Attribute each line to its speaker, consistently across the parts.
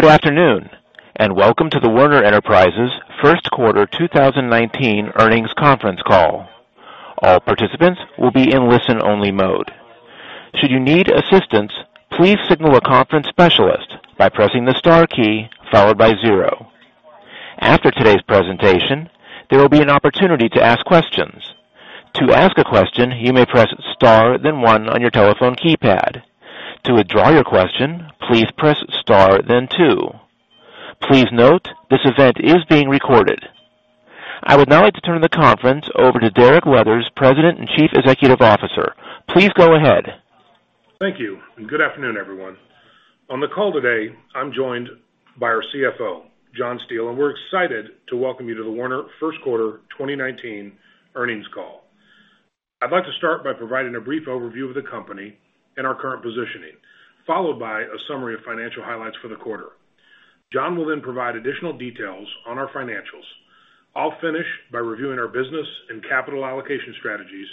Speaker 1: Good afternoon, welcome to the Werner Enterprises first quarter 2019 earnings conference call. All participants will be in listen-only mode. Should you need assistance, please signal a conference specialist by pressing the star key followed by zero. After today's presentation, there will be an opportunity to ask questions. To ask a question, you may press star then one on your telephone keypad. To withdraw your question, please press star then two. Please note, this event is being recorded. I would now like to turn the conference over to Derek Leathers, President and Chief Executive Officer. Please go ahead.
Speaker 2: Thank you, good afternoon, everyone. On the call today, I'm joined by our CFO, John Steele, we're excited to welcome you to the Werner first quarter 2019 earnings call. I'd like to start by providing a brief overview of the company and our current positioning, followed by a summary of financial highlights for the quarter. John will provide additional details on our financials. I'll finish by reviewing our business and capital allocation strategies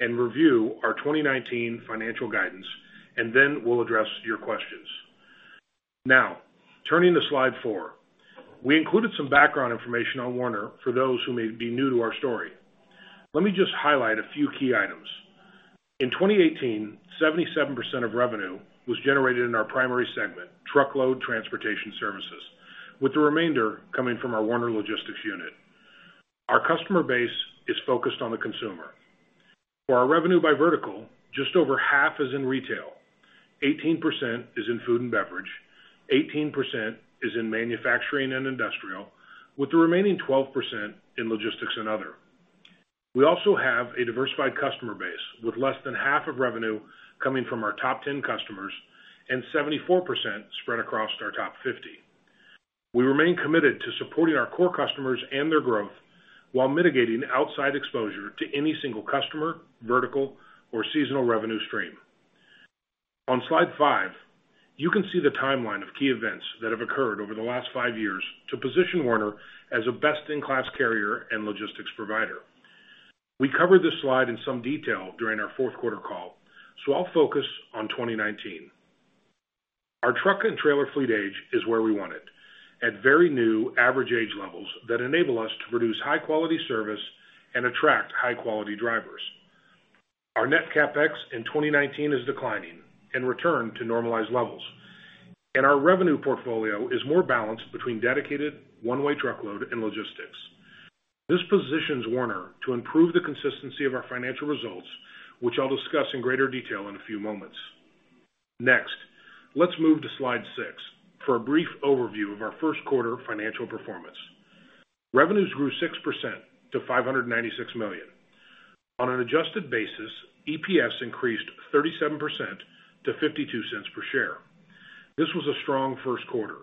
Speaker 2: and review our 2019 financial guidance and then we'll address your questions. Now, turning to slide four. We included some background information on Werner for those who may be new to our story. Let me just highlight a few key items. In 2018, 77% of revenue was generated in our primary segment, Truckload Transportation Services, with the remainder coming from our Werner Logistics unit. Our customer base is focused on the consumer. For our revenue by vertical, just over half is in retail, 18% is in food and beverage, 18% is in manufacturing and industrial, with the remaining 12% in logistics and other. We also have a diversified customer base, with less than half of revenue coming from our top 10 customers and 74% spread across our top 50. We remain committed to supporting our core customers and their growth while mitigating outside exposure to any single customer, vertical, or seasonal revenue stream. On slide five, you can see the timeline of key events that have occurred over the last five years to position Werner as a best-in-class carrier and logistics provider. We covered this slide in some detail during our fourth quarter call, so I'll focus on 2019. Our truck and trailer fleet age is where we want it, at very new average age levels that enable us to produce high-quality service and attract high-quality drivers. Our net CapEx in 2019 is declining in return to normalized levels, and our revenue portfolio is more balanced between dedicated one-way truckload and logistics. This positions Werner to improve the consistency of our financial results, which I'll discuss in greater detail in a few moments. Next let's move to slide six for a brief overview of our first quarter financial performance. Revenues grew 6% to $596 million. On an adjusted basis, EPS increased 37% to $0.52 per share. This was a strong first quarter,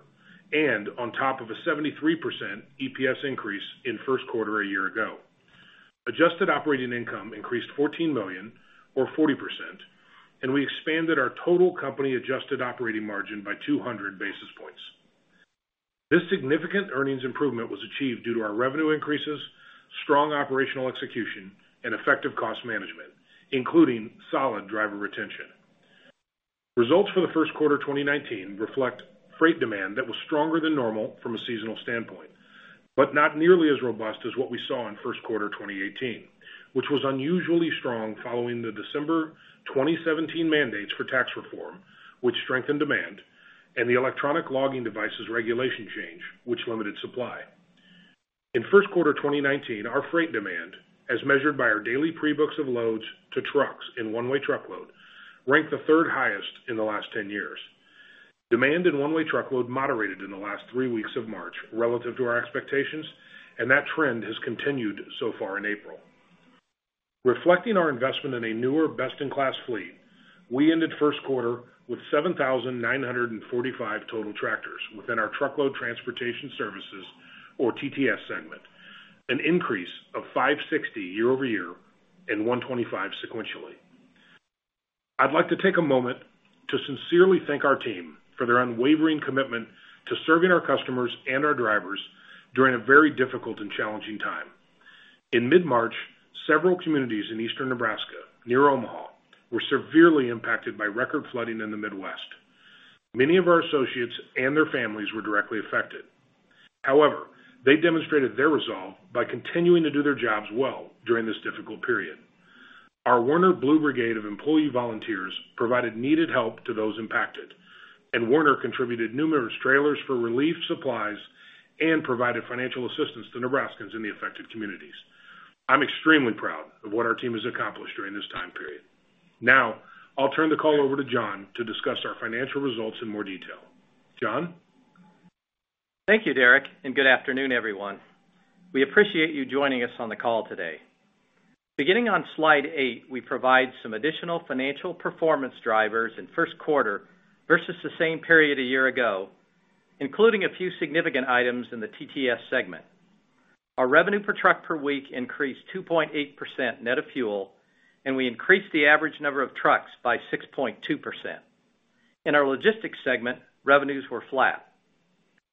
Speaker 2: and on top of a 73% EPS increase in first quarter a year ago. Adjusted operating income increased $14 million or 40%, and we expanded our total company adjusted operating margin by 200 basis points. This significant earnings improvement was achieved due to our revenue increases, strong operational execution, and effective cost management, including solid driver retention. Results for the first quarter 2019 reflect freight demand that was stronger than normal from a seasonal standpoint, but not nearly as robust as what we saw in first quarter 2018, which was unusually strong following the December 2017 mandates for tax reform, which strengthened demand, and the electronic logging devices regulation change, which limited supply. In first quarter 2019, our freight demand, as measured by our daily pre-books of loads to trucks in one-way truckload, ranked the third highest in the last 10 years. Demand in one-way truckload moderated in the last three weeks of March relative to our expectations, that trend has continued so far in April. Reflecting our investment in a newer, best-in-class fleet, we ended first quarter with 7,945 total tractors within our Truckload Transportation Services or TTS segment, an increase of 560 year-over-year and 125 sequentially. I'd like to take a moment to sincerely thank our team for their unwavering commitment to serving our customers and our drivers during a very difficult and challenging time. In mid-March, several communities in Eastern Nebraska, near Omaha, were severely impacted by record flooding in the Midwest. Many of our associates and their families were directly affected. However, they demonstrated their resolve by continuing to do their jobs well during this difficult period. Our Werner Blue Brigade of employee volunteers provided needed help to those impacted, ad Werner contributed numerous trailers for relief supplies and provided financial assistance to Nebraskans in the affected communities. I'm extremely proud of what our team has accomplished during this time period. Now I'll turn the call over to John to discuss our financial results in more detail. John?
Speaker 3: Thank you, Derek, good afternoon, everyone. We appreciate you joining us on the call today. Beginning on slide eight, we provide some additional financial performance drivers in first quarter versus the same period a year ago, including a few significant items in the TTS segment. Our revenue per truck per week increased 2.8% net of fuel, and we increased the average number of trucks by 6.2%. In our Logistics segment, revenues were flat.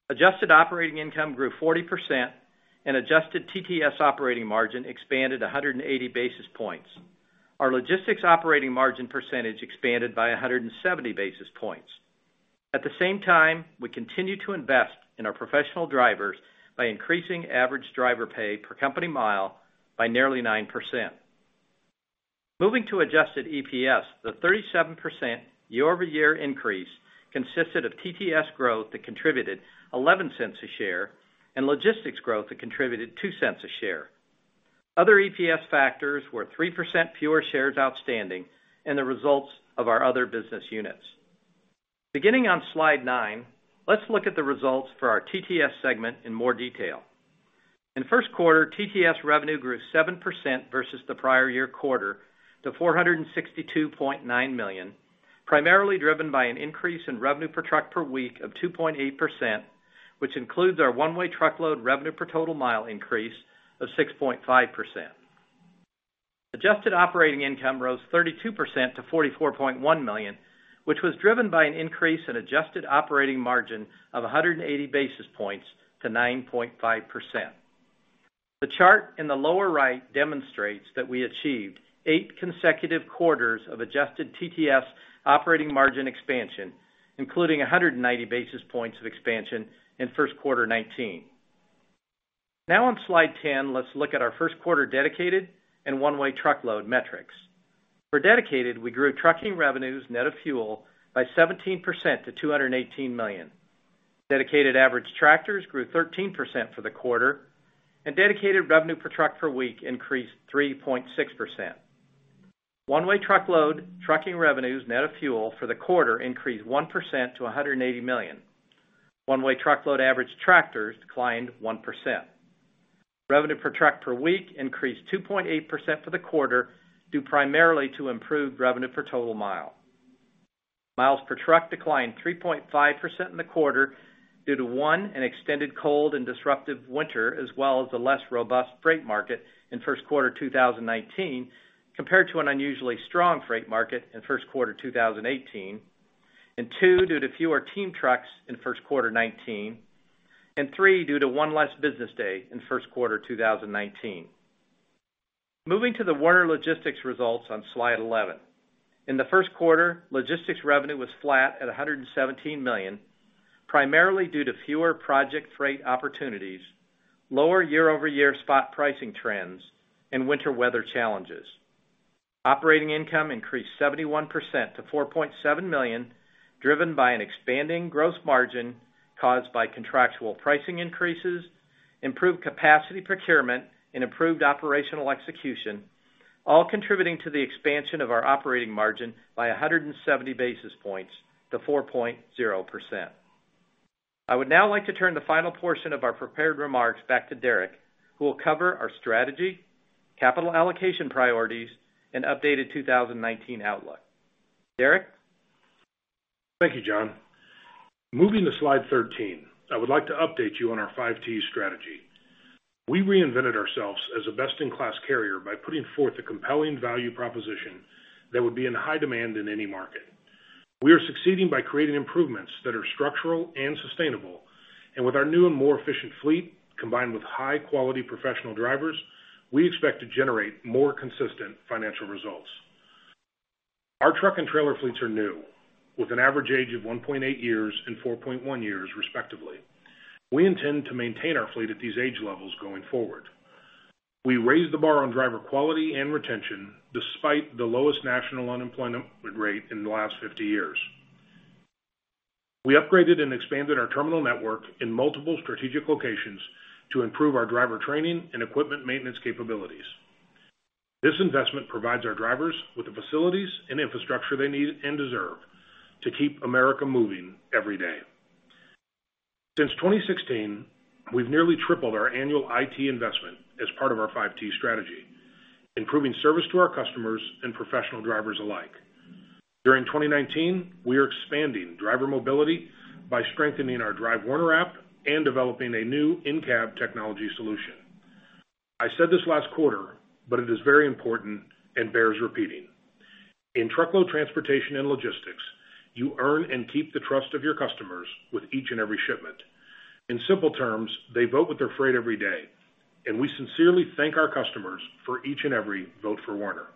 Speaker 3: Adjusted operating income grew 40%, and adjusted TTS operating margin expanded 180 basis points. Our Logistics operating margin percentage expanded by 170 basis points. At the same time, we continue to invest in our professional drivers by increasing average driver pay per company mile by nearly 9%. Moving to adjusted EPS, the 37% year-over-year increase consisted of TTS growth that contributed $0.11 a share and logistics growth that contributed $0.02 a share. Other EPS factors were 3% fewer shares outstanding and the results of our other business units. Beginning on slide nine, let's look at the results for our TTS segment in more detail. In the first quarter, TTS revenue grew 7% versus the prior year quarter to $462.9 million, primarily driven by an increase in revenue per truck per week of 2.8%, which includes our one-way truckload revenue per total mile increase of 6.5%. Adjusted operating income rose 32% to $44.1 million, which was driven by an increase in adjusted operating margin of 180 basis points to 9.5%. The chart in the lower right demonstrates that we achieved eight consecutive quarters of adjusted TTS operating margin expansion, including 190 basis points of expansion in first quarter 2019. Now on slide 10, let's look at our first quarter dedicated and one-way truckload metrics. For dedicated, we grew trucking revenues net of fuel by 17% to $218 million. Dedicated average tractors grew 13% for the quarter, and dedicated revenue per truck per week increased 3.6%. One-way truckload trucking revenues net of fuel for the quarter increased 1% to $180 million. One-way truckload average tractors declined 1%. Revenue per truck per week increased 2.8% for the quarter, due primarily to improved revenue per total mile. Miles per truck declined 3.5% in the quarter due to, one, an extended cold and disruptive winter, as well as a less robust freight market in first quarter 2019, compared to an unusually strong freight market in first quarter 2018. Two, due to fewer team trucks in first quarter 2019. Three, due to one less business day in first quarter 2019. Moving to the Werner Logistics results on slide 11. In the first quarter, logistics revenue was flat at $117 million, primarily due to fewer project freight opportunities, lower year-over-year spot pricing trends, and winter weather challenges. Operating income increased 71% to $4.7 million, driven by an expanding gross margin caused by contractual pricing increases, improved capacity procurement, and improved operational execution, all contributing to the expansion of our operating margin by 170 basis points to 4.0%. I would now like to turn the final portion of our prepared remarks back to Derek, who will cover our strategy, capital allocation priorities, and updated 2019 outlook. Derek?
Speaker 2: Thank you, John. Moving to slide 13, I would like to update you on our 5T strategy. We reinvented ourselves as a best-in-class carrier by putting forth a compelling value proposition that would be in high demand in any market. We are succeeding by creating improvements that are structural and sustainable, with our new and more efficient fleet, combined with high-quality professional drivers, we expect to generate more consistent financial results. Our truck and trailer fleets are new, with an average age of 1.8 years and 4.1 years, respectively. We intend to maintain our fleet at these age levels going forward. We raised the bar on driver quality and retention, despite the lowest national unemployment rate in the last 50 years. We upgraded and expanded our terminal network in multiple strategic locations to improve our driver training and equipment maintenance capabilities. This investment provides our drivers with the facilities and infrastructure they need and deserve to keep America moving every day. Since 2016, we've nearly tripled our annual IT investment as part of our 5T strategy, improving service to our customers and professional drivers alike. During 2019, we are expanding driver mobility by strengthening our Drive Werner app and developing a new in-cab technology solution. I said this last quarter, but it is very important and bears repeating. In Truckload Transportation and Logistics, you earn and keep the trust of your customers with each and every shipment. In simple terms, they vote with their freight every day, and we sincerely thank our customers for each and every vote for Werner.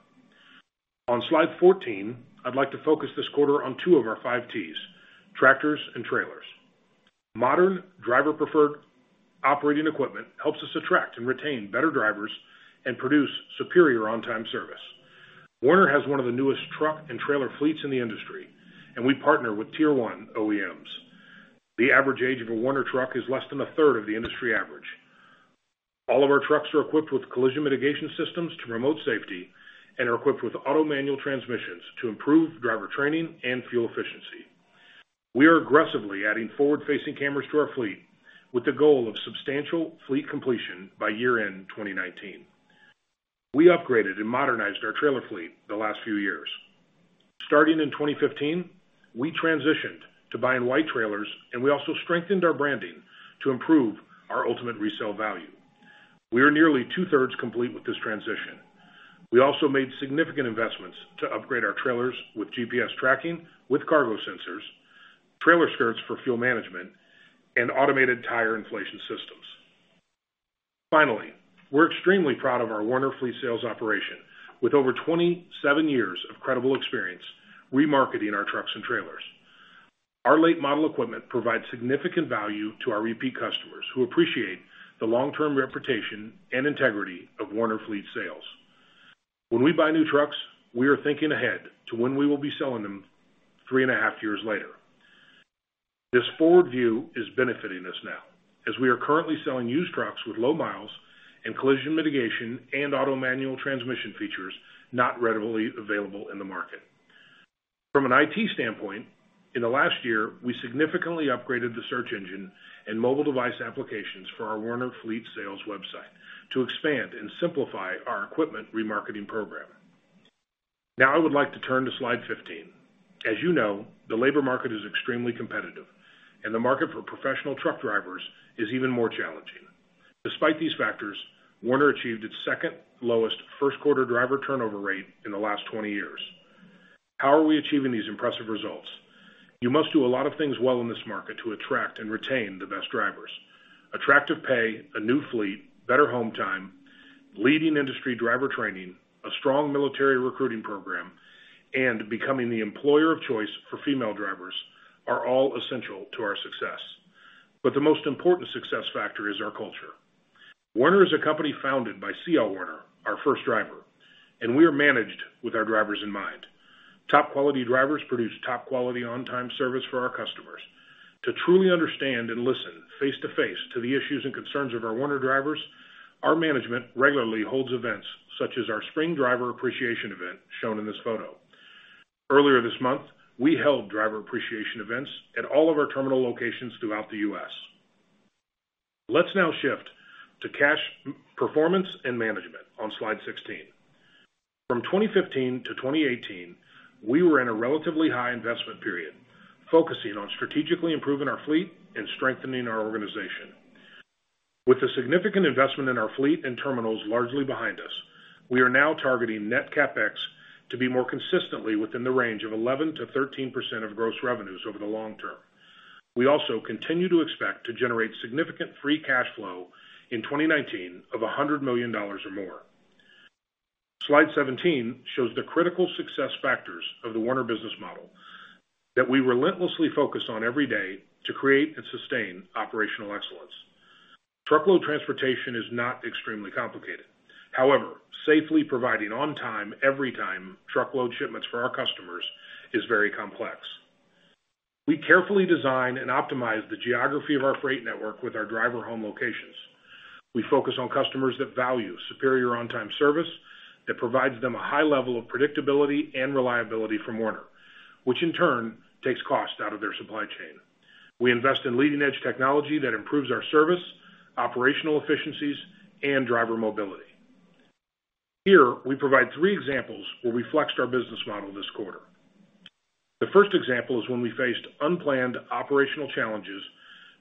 Speaker 2: On slide 14, I'd like to focus this quarter on two of our 5Ts, tractors and trailers. Modern driver-preferred operating equipment helps us attract and retain better drivers and produce superior on-time service. Werner has one of the newest truck and trailer fleets in the industry, and we partner with Tier 1 OEMs. The average age of a Werner truck is less than 1/3 of the industry average. All of our trucks are equipped with collision mitigation systems to promote safety and are equipped with automated manual transmissions to improve driver training and fuel efficiency. We are aggressively adding forward-facing cameras to our fleet with the goal of substantial fleet completion by year-end 2019. We upgraded and modernized our trailer fleet the last few years. Starting in 2015, we transitioned to buying white trailers, and we also strengthened our branding to improve our ultimate resale value. We are nearly 2/3 complete with this transition. We also made significant investments to upgrade our trailers with GPS tracking, with cargo sensors, trailer skirts for fuel management, and automated tire inflation systems. Finally, we're extremely proud of our Werner Fleet Sales operation, with over 27 years of credible experience remarketing our trucks and trailers. Our late model equipment provides significant value to our repeat customers, who appreciate the long-term reputation and integrity of Werner Fleet Sales. When we buy new trucks, we are thinking ahead to when we will be selling them three-and-a-half years later. This forward view is benefiting us now, as we are currently selling used trucks with low miles and collision mitigation and auto manual transmission features not readily available in the market. From an IT standpoint, in the last year, we significantly upgraded the search engine and mobile device applications for our Werner Fleet Sales website to expand and simplify our equipment remarketing program. Now, I would like to turn to slide 15. As you know, the labor market is extremely competitive, and the market for professional truck drivers is even more challenging. Despite these factors, Werner achieved its second lowest first quarter driver turnover rate in the last 20 years. How are we achieving these impressive results? You must do a lot of things well in this market to attract and retain the best drivers. Attractive pay, a new fleet, better home time, leading industry driver training, a strong military recruiting program, and becoming the employer of choice for female drivers are all essential to our success. The most important success factor is our culture. Werner is a company founded by C.L. Werner, our first driver, and we are managed with our drivers in mind. Top quality drivers produce top quality on-time service for our customers. To truly understand and listen face-to-face to the issues and concerns of our Werner drivers, our management regularly holds events such as our spring driver appreciation event shown in this photo. Earlier this month, we held driver appreciation events at all of our terminal locations throughout the U.S. Let's now shift to cash performance and management on slide 16. From 2015-2018, we were in a relatively high investment period, focusing on strategically improving our fleet and strengthening our organization. With the significant investment in our fleet and terminals largely behind us, we are now targeting net CapEx to be more consistently within the range of 11%-13% of gross revenues over the long term. We also continue to expect to generate significant free cash flow in 2019 of $100 million or more. Slide 17 shows the critical success factors of the Werner business model that we relentlessly focus on every day to create and sustain operational excellence. Truckload Transportation is not extremely complicated. However, safely providing on-time, every-time truckload shipments for our customers is very complex. We carefully design and optimize the geography of our freight network with our driver home locations. We focus on customers that value superior on-time service that provides them a high level of predictability and reliability from Werner, which in turn takes cost out of their supply chain. We invest in leading-edge technology that improves our service, operational efficiencies, and driver mobility. Here, we provide three examples where we flexed our business model this quarter. The first example is when we faced unplanned operational challenges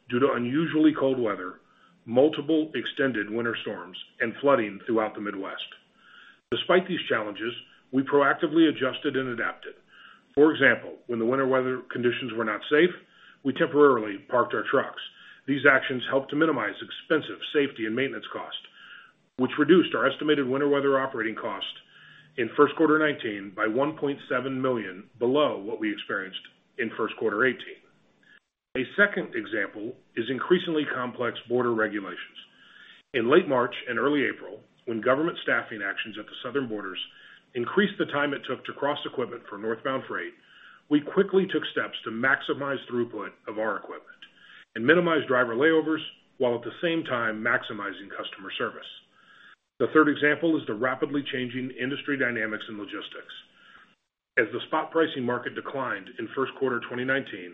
Speaker 2: due to unusually cold weather, multiple extended winter storms, and flooding throughout the Midwest. Despite these challenges, we proactively adjusted and adapted. For example, when the winter weather conditions were not safe, we temporarily parked our trucks. These actions helped to minimize expensive safety and maintenance cost, which reduced our estimated winter weather operating cost in first quarter 2019 by $1.7 million below what we experienced in first quarter 2018. A second example is increasingly complex border regulations. In late March and early April, when government staffing actions at the southern borders increased the time it took to cross equipment for northbound freight, we quickly took steps to maximize throughput of our equipment and minimize driver layovers, while at the same time maximizing customer service. The third example is the rapidly changing industry dynamics in logistics. As the spot pricing market declined in first quarter 2019,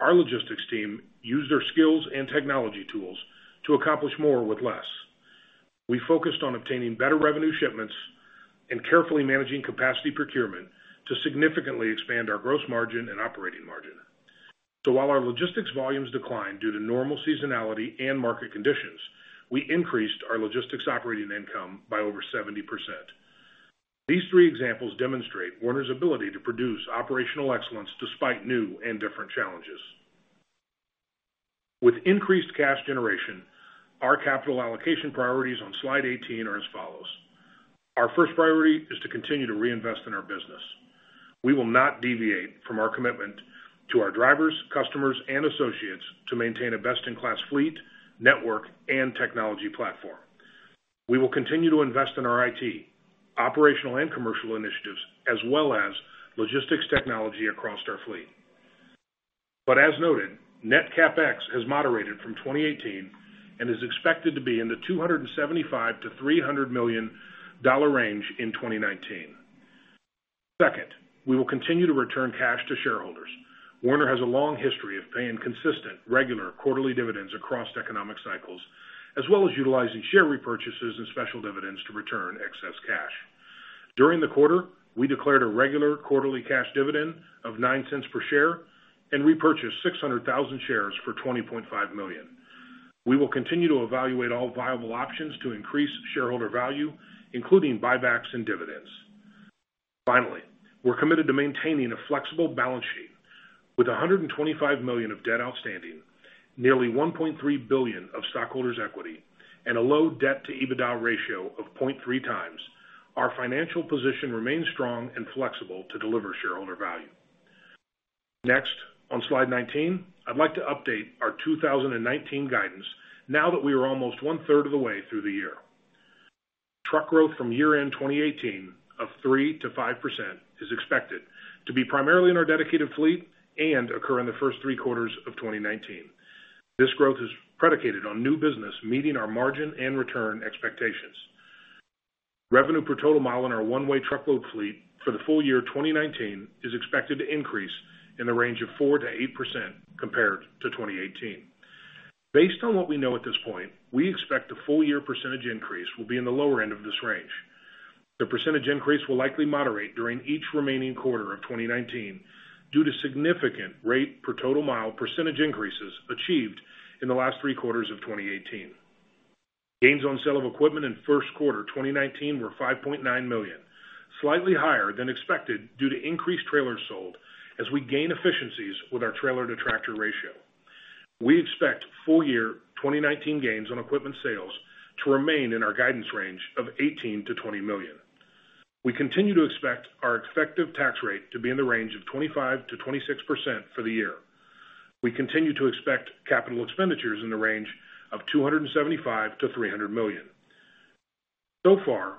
Speaker 2: our logistics team used their skills and technology tools to accomplish more with less. We focused on obtaining better revenue shipments and carefully managing capacity procurement to significantly expand our gross margin and operating margin. While our logistics volumes declined due to normal seasonality and market conditions, we increased our logistics operating income by over 70%. These three examples demonstrate Werner's ability to produce operational excellence despite new and different challenges. With increased cash generation, our capital allocation priorities on slide 18 are as follows. Our first priority is to continue to reinvest in our business. We will not deviate from our commitment to our drivers, customers, and associates to maintain a best-in-class fleet, network, and technology platform. We will continue to invest in our IT, operational and commercial initiatives, as well as logistics technology across our fleet. As noted, net CapEx has moderated from 2018 and is expected to be in the $275 million-$300 million range in 2019. Second, we will continue to return cash to shareholders. Werner has a long history of paying consistent, regular quarterly dividends across economic cycles, as well as utilizing share repurchases and special dividends to return excess cash. During the quarter, we declared a regular quarterly cash dividend of $0.09 per share and repurchased 600,000 shares for $20.5 million. We will continue to evaluate all viable options to increase shareholder value, including buybacks and dividends. Finally, we're committed to maintaining a flexible balance sheet with $125 million of debt outstanding, nearly $1.3 billion of stockholders' equity, and a low debt to EBITDA ratio of 0.3x. Our financial position remains strong and flexible to deliver shareholder value. Next, on slide 19, I'd like to update our 2019 guidance now that we are almost one-third of the way through the year. Truck growth from year-end 2018 of 3%-5% is expected to be primarily in our dedicated fleet and occur in the first three quarters of 2019. This growth is predicated on new business meeting our margin and return expectations. Revenue per total mile in our one-way truckload fleet for the full year 2019 is expected to increase in the range of 4%-8% compared to 2018. Based on what we know at this point, we expect the full year percentage increase will be in the lower end of this range. The percentage increase will likely moderate during each remaining quarter of 2019 due to significant rate per total mile percentage increases achieved in the last three quarters of 2018. Gains on sale of equipment in first quarter 2019 were $5.9 million, slightly higher than expected due to increased trailers sold as we gain efficiencies with our trailer-to-tractor ratio. We expect full year 2019 gains on equipment sales to remain in our guidance range of $18 million-$20 million. We continue to expect our effective tax rate to be in the range of 25%-26% for the year. We continue to expect capital expenditures in the range of $275 million-$300 million. So far,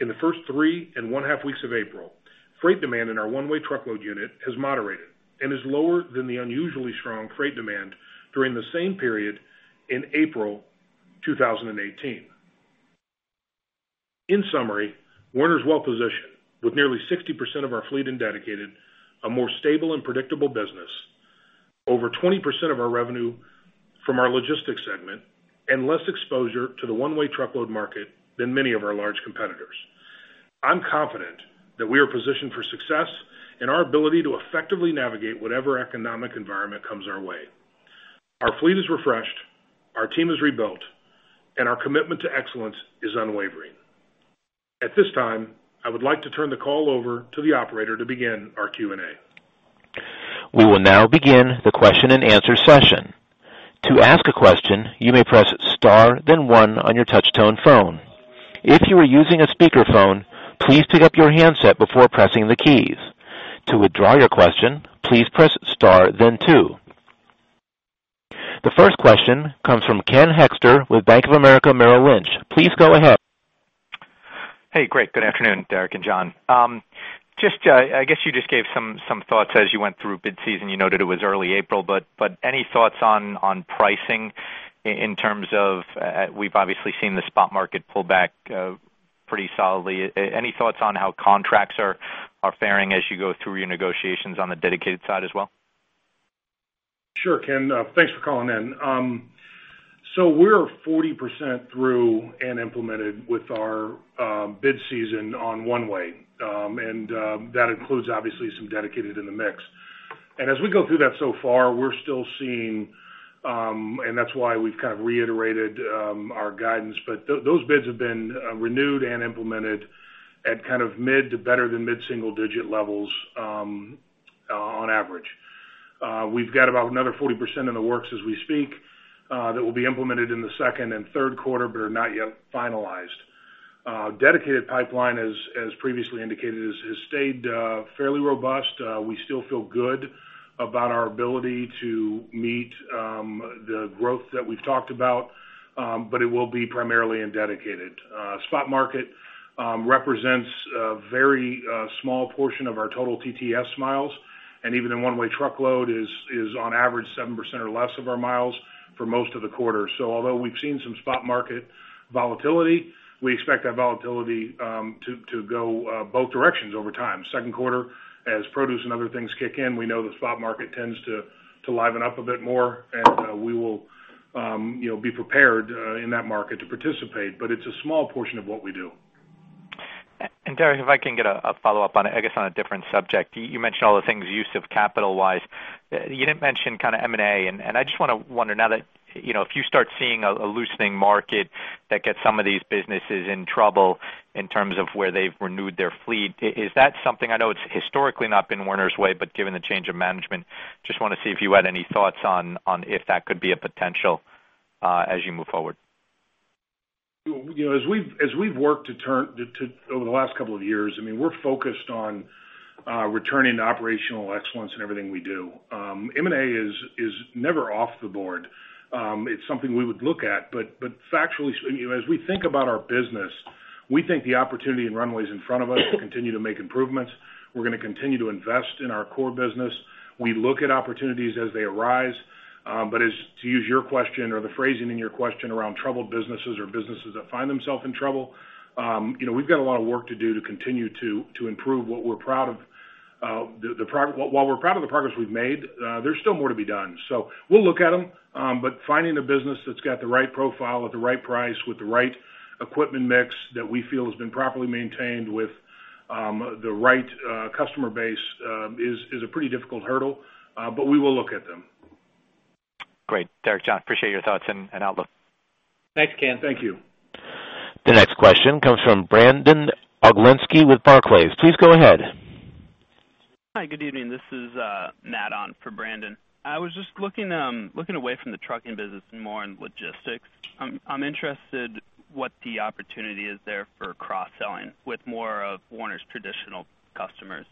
Speaker 2: in the first three and one-half weeks of April, freight demand in our one-way truckload unit has moderated and is lower than the unusually strong freight demand during the same period in April 2018. In summary, Werner is well-positioned with nearly 60% of our fleet in dedicated, a more stable and predictable business, over 20% of our revenue from our Logistics segment, and less exposure to the one-way truckload market than many of our large competitors. I'm confident that we are positioned for success in our ability to effectively navigate whatever economic environment comes our way. Our fleet is refreshed, our team is rebuilt, and our commitment to excellence is unwavering. At this time, I would like to turn the call over to the operator to begin our Q&A.
Speaker 1: We will now begin the question-and-answer session. To ask a question, you may press star then one on your touch tone phone. If you are using a speakerphone, please pick up your handset before pressing the keys. To withdraw your question, please press star then two. The first question comes from Ken Hoexter with Bank of America Merrill Lynch. Please go ahead.
Speaker 4: Hey, great. Good afternoon, Derek and John. I guess you just gave some thoughts as you went through bid season. You noted it was early April, but any thoughts on pricing in terms of, we've obviously seen the spot market pull back pretty solidly. Any thoughts on how contracts are faring as you go through your negotiations on the dedicated side as well?
Speaker 2: Sure, Ken. Thanks for calling in. We're 40% through and implemented with our bid season on one way, and that includes obviously some dedicated in the mix. As we go through that so far, we're still seeing, and that's why we've kind of reiterated our guidance, but those bids have been renewed and implemented at kind of mid to better than mid-single digit levels on average. We've got about another 40% in the works as we speak that will be implemented in the second and third quarter but are not yet finalized. Dedicated pipeline, as previously indicated, has stayed fairly robust. We still feel good about our ability to meet the growth that we've talked about, but it will be primarily in dedicated. Spot market represents a very small portion of our total TTS miles, and even in one-way truckload is on average 7% or less of our miles for most of the quarter. Although we've seen some spot market volatility, we expect that volatility to go both directions over time. Second quarter as produce and other things kick in, we know the spot market tends to liven up a bit more, and we will be prepared in that market to participate but it's a small portion of what we do.
Speaker 4: Derek, if I can get a follow-up on, I guess on a different subject. You mentioned all the things use of capital-wise. You didn't mention M&A, and I just want to wonder now that if you start seeing a loosening market that gets some of these businesses in trouble in terms of where they've renewed their fleet, is that something, I know it's historically not been Werner's way, but given the change of management, just want to see if you had any thoughts on if that could be a potential as you move forward.
Speaker 2: As we've worked over the last couple of years, we're focused on returning to operational excellence in everything we do. M&A is never off the board. It's something we would look at, but factually, as we think about our business, we think the opportunity and runways in front of us to continue to make improvements. We're going to continue to invest in our core business. We look at opportunities as they arise, but as to use your question or the phrasing in your question around troubled businesses or businesses that find themselves in trouble, we've got a lot of work to do to continue to improve what we're proud of. While we're proud of the progress we've made, there's still more to be done. We'll look at them. Finding a business that's got the right profile at the right price with the right equipment mix that we feel has been properly maintained with the right customer base is a pretty difficult hurdle, but we will look at them.
Speaker 4: Great. Derek, John, appreciate your thoughts and outlook.
Speaker 3: Thanks, Ken.
Speaker 2: Thank you.
Speaker 1: The next question comes from Brandon Oglenski with Barclays. Please go ahead.
Speaker 5: Hi. Good evening. This is Matt on for Brandon. I was just looking away from the Trucking business and more on Logistics. I'm interested what the opportunity is there for cross-selling with more of Werner's traditional customers.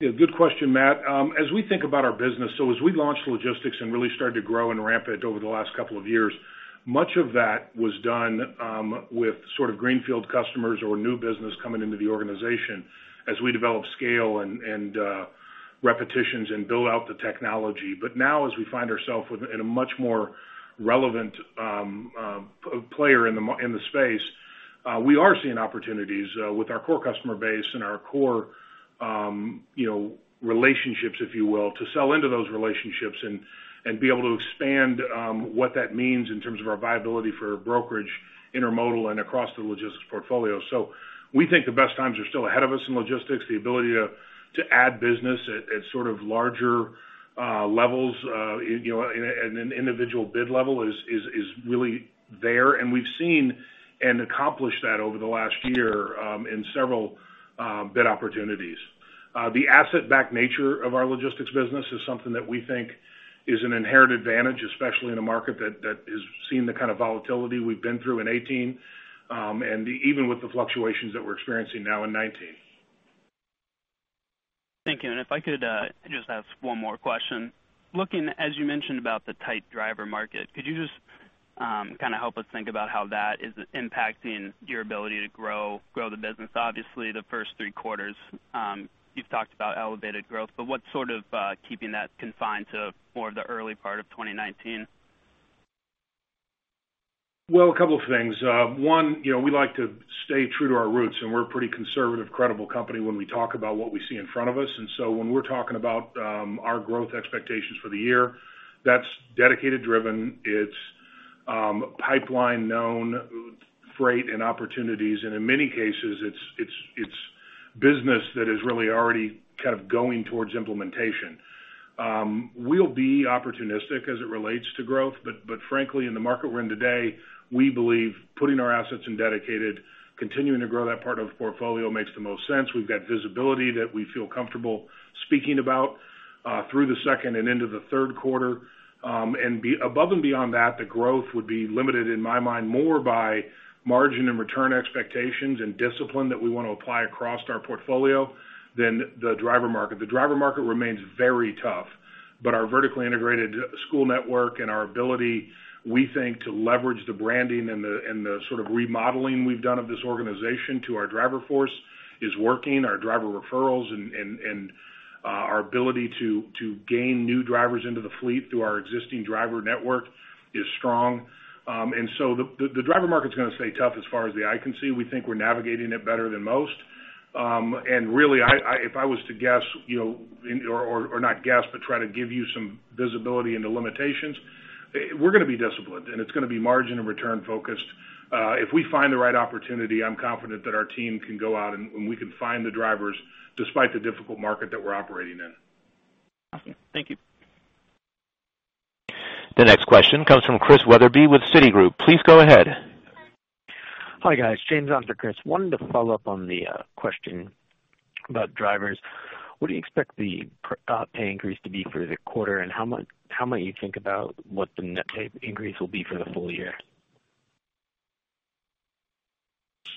Speaker 2: Yeah, good question, Matt. As we think about our business, so as we launched Logistics and really started to grow and ramp it over the last couple of years, much of that was done with sort of greenfield customers or new business coming into the organization as we develop scale and repetitions and build out the technology. Now as we find ourself in a much more relevant player in the space, we are seeing opportunities with our core customer base and our core relationships, if you will, to sell into those relationships and be able to expand what that means in terms of our viability for brokerage, intermodal, and across the logistics portfolio. We think the best times are still ahead of us in Logistics. The ability to add business at sort of larger levels, an individual bid level is really there, and we've seen and accomplished that over the last year in several bid opportunities. The asset-backed nature of our Logistics business is something that we think is an inherent advantage, especially in a market that has seen the kind of volatility we've been through in 2018, and even with the fluctuations that we're experiencing now in 2019.
Speaker 5: Thank you. If I could just ask one more question. Looking, as you mentioned, about the tight driver market, could you just help us think about how that is impacting your ability to grow the business? Obviously, the first three quarters, you've talked about elevated growth, but what's sort of keeping that confined to more of the early part of 2019?
Speaker 2: Well, a couple of things. One, we like to stay true to our roots, and we're a pretty conservative, credible company when we talk about what we see in front of us. When we're talking about our growth expectations for the year, that's dedicated driven, it's pipeline known freight and opportunities, and in many cases, it's business that is really already kind of going towards implementation. We'll be opportunistic as it relates to growth, but frankly, in the market we're in today, we believe putting our assets in dedicated, continuing to grow that part of the portfolio makes the most sense. We've got visibility that we feel comfortable speaking about through the second and into the third quarter. Above and beyond that, the growth would be limited, in my mind, more by margin and return expectations and discipline that we want to apply across our portfolio than the driver market. The driver market remains very tough, but our vertically integrated school network and our ability, we think, to leverage the branding and the sort of remodeling we've done of this organization to our driver force is working. Our driver referrals and our ability to gain new drivers into the fleet through our existing driver network is strong. And so the driver market is going to stay tough as far as the eye can see. We think we're navigating it better than most. Really, if I was to guess, or not guess, but try to give you some visibility into limitations, we're going to be disciplined, and it's going to be margin and return focused. If we find the right opportunity, I'm confident that our team can go out and we can find the drivers despite the difficult market that we're operating in.
Speaker 5: Awesome. Thank you.
Speaker 1: The next question comes from Chris Wetherbee with Citigroup. Please go ahead.
Speaker 6: Hi, guys. James on for Chris. I wanted to follow up on the question about drivers. What do you expect the pay increase to be for the quarter, and how might you think about what the net pay increase will be for the full year?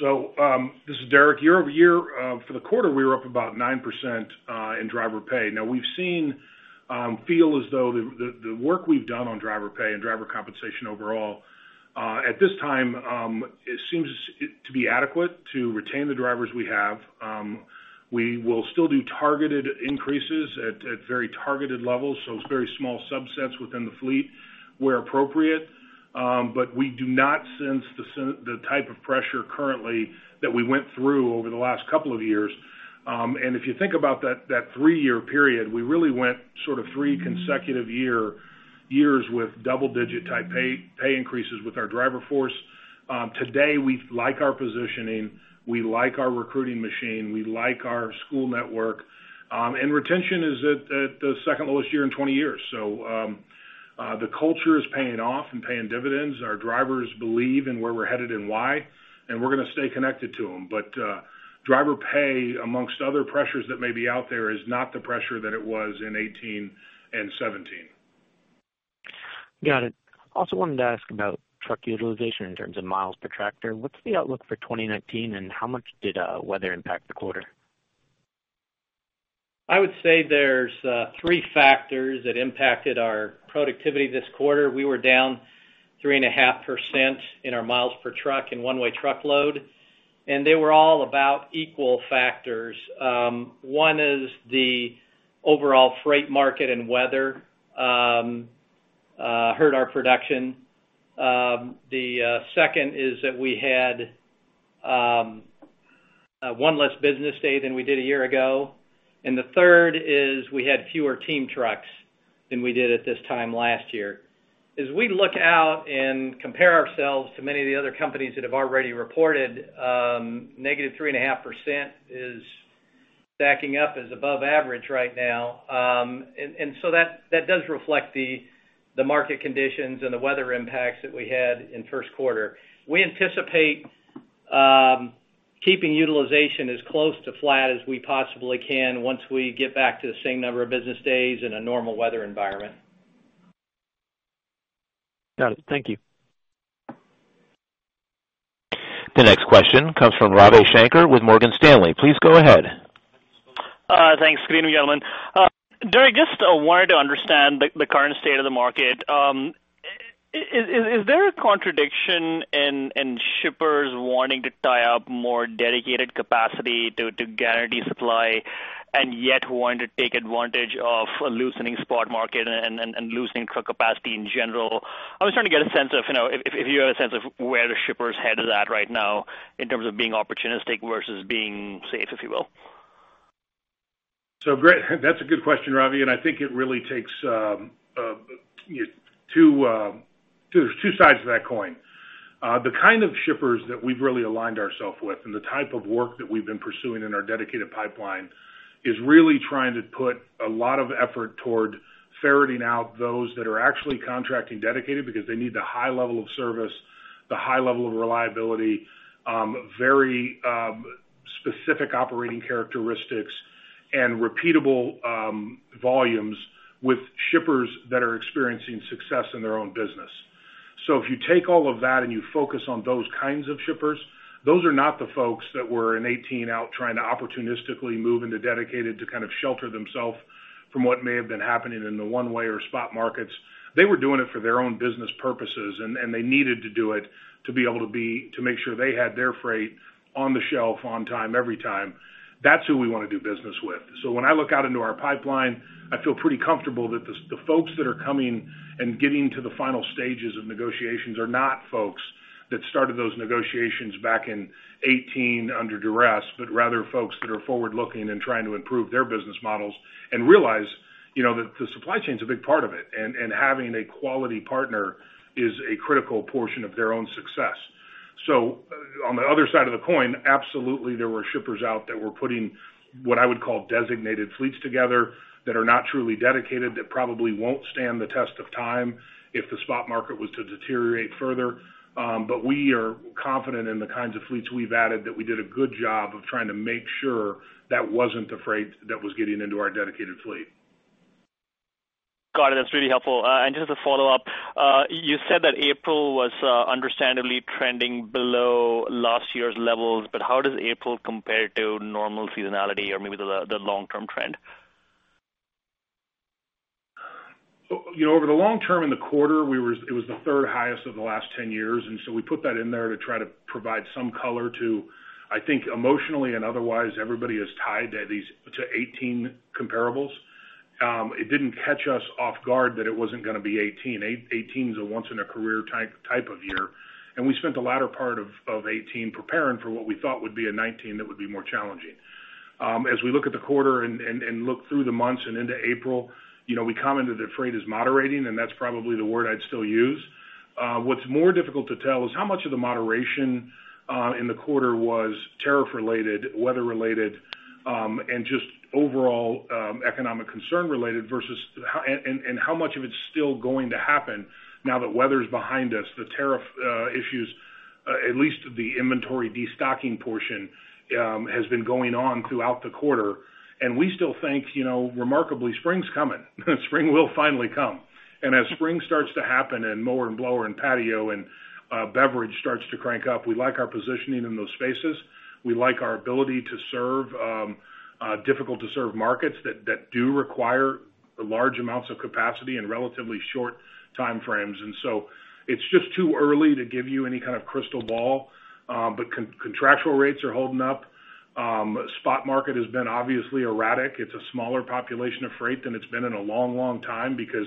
Speaker 2: This is Derek. Year-over-year, for the quarter, we were up about 9% in driver pay. We feel as though the work we've done on driver pay and driver compensation overall at this time, it seems to be adequate to retain the drivers we have. We will still do targeted increases at very targeted levels, so it's very small subsets within the fleet where appropriate but we do not sense the type of pressure currently that we went through over the last couple of years. If you think about that three-year period, we really went sort of three consecutive years with double-digit type pay increases with our driver force. Today, we like our positioning. We like our recruiting machine. We like our school network. Retention is at the second lowest year in 20 years. The culture is paying off and paying dividends. Our drivers believe in where we're headed and why, we're going to stay connected to them but driver pay, amongst other pressures that may be out there, is not the pressure that it was in 2018 and 2017.
Speaker 6: Got it. I also wanted to ask about truck utilization in terms of miles per tractor. What's the outlook for 2019? How much did weather impact the quarter?
Speaker 3: I would say there's three factors that impacted our productivity this quarter. We were down 3.5% in our miles per truck in one-way truckload, and they were all about equal factors. One is the overall freight market and weather hurt our production. The second is that we had one less business day than we did a year ago, the third is we had fewer team trucks than we did at this time last year. As we look out and compare ourselves to many of the other companies that have already reported, -3.5% is stacking up as above average right now and so that does reflect the market conditions and the weather impacts that we had in first quarter. We anticipate keeping utilization as close to flat as we possibly can once we get back to the same number of business days in a normal weather environment.
Speaker 6: Got it. Thank you.
Speaker 1: The next question comes from Ravi Shanker with Morgan Stanley. Please go ahead.
Speaker 7: Thanks. Good evening, gentlemen. Derek, just wanted to understand the current state of the market. Is there a contradiction in shippers wanting to tie up more dedicated capacity to guarantee supply and yet wanting to take advantage of a loosening spot market and loosening capacity in general? I was trying to get a sense of, if you have a sense of where the shippers' head is at right now in terms of being opportunistic versus being safe, if you will.
Speaker 2: Great. That's a good question, Ravi, and I think it really takes two sides to that coin. The kind of shippers that we've really aligned ourselves with and the type of work that we've been pursuing in our dedicated pipeline is really trying to put a lot of effort toward ferreting out those that are actually contracting dedicated because they need the high level of service, the high level of reliability, very specific operating characteristics, and repeatable volumes with shippers that are experiencing success in their own business. If you take all of that and you focus on those kinds of shippers, those are not the folks that were in 2018 out trying to opportunistically move into dedicated to shelter themselves from what may have been happening in the one-way or spot markets. They were doing it for their own business purposes, and they needed to do it to be able to make sure they had their freight on the shelf on time, every time. That's who we want to do business with. When I look out into our pipeline, I feel pretty comfortable that the folks that are coming and getting to the final stages of negotiations are not folks that started those negotiations back in 2018 under duress, but rather folks that are forward-looking and trying to improve their business models and realize that the supply chain is a big part of it, and having a quality partner is a critical portion of their own success. On the other side of the coin, absolutely there were shippers out that were putting what I would call designated fleets together that are not truly dedicated, that probably won't stand the test of time if the spot market was to deteriorate further but we are confident in the kinds of fleets we've added that we did a good job of trying to make sure that wasn't the freight that was getting into our dedicated fleet.
Speaker 7: Got it. That's really helpful. Just as a follow-up, you said that April was understandably trending below last year's levels, but how does April compare to normal seasonality or maybe the long-term trend?
Speaker 2: Over the long term in the quarter, it was the third highest of the last 10 years. We put that in there to try to provide some color to, I think emotionally and otherwise, everybody is tied to 2018 comparables. It didn't catch us off guard that it wasn't going to be 2018. '2018 is a once in a career type of year. We spent the latter part of 2018 preparing for what we thought would be a 2019 that would be more challenging. As we look at the quarter and look through the months and into April, we commented that freight is moderating, and that's probably the word I'd still use. What's more difficult to tell is how much of the moderation in the quarter was tariff-related, weather -related, and just overall economic concern-related, and how much of it's still going to happen now that weather's behind us. The tariff issues, at least the inventory destocking portion, has been going on throughout the quarter and we still think remarkably, spring's coming. Spring will finally come. As spring starts to happen and mower and blower and patio and beverage starts to crank up, we like our positioning in those spaces. We like our ability to serve difficult-to-serve markets that do require large amounts of capacity in relatively short time frames and so it's just too early to give you any kind of crystal ball. Contractual rates are holding up. Spot market has been obviously erratic. It's a smaller population of freight than it's been in a long, long time because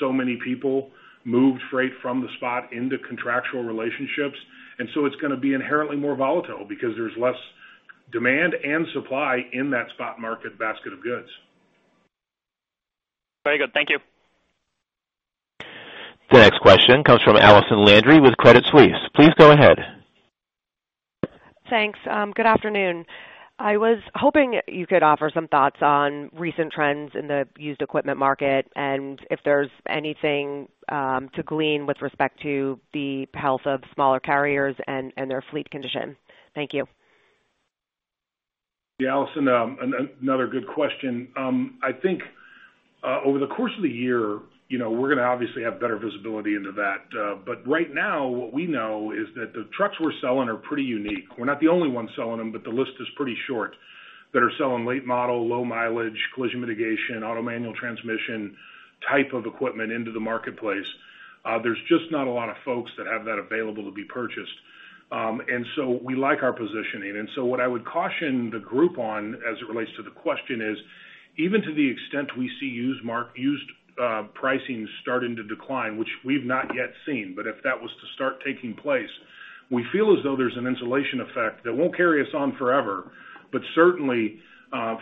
Speaker 2: so many people moved freight from the spot into contractual relationships and so it's going to be inherently more volatile because there's less demand and supply in that spot market basket of goods.
Speaker 7: Very good. Thank you.
Speaker 1: The next question comes from Allison Landry with Credit Suisse. Please go ahead.
Speaker 8: Thanks. Good afternoon. I was hoping you could offer some thoughts on recent trends in the used equipment market and if there's anything to glean with respect to the health of smaller carriers and their fleet condition. Thank you.
Speaker 2: Yeah, Allison, another good question. I think over the course of the year, we're going to obviously have better visibility into that but right now, what we know is that the trucks we're selling are pretty unique. We're not the only ones selling them, but the list is pretty short that are selling late model, low mileage, collision mitigation, auto manual transmission type of equipment into the marketplace. There's just not a lot of folks that have that available to be purchased and so we like our positioning. And so what I would caution the group on as it relates to the question is, even to the extent we see used pricing starting to decline, which we've not yet seen, but if that was to start taking place, we feel as though there's an insulation effect that won't carry us on forever, but certainly,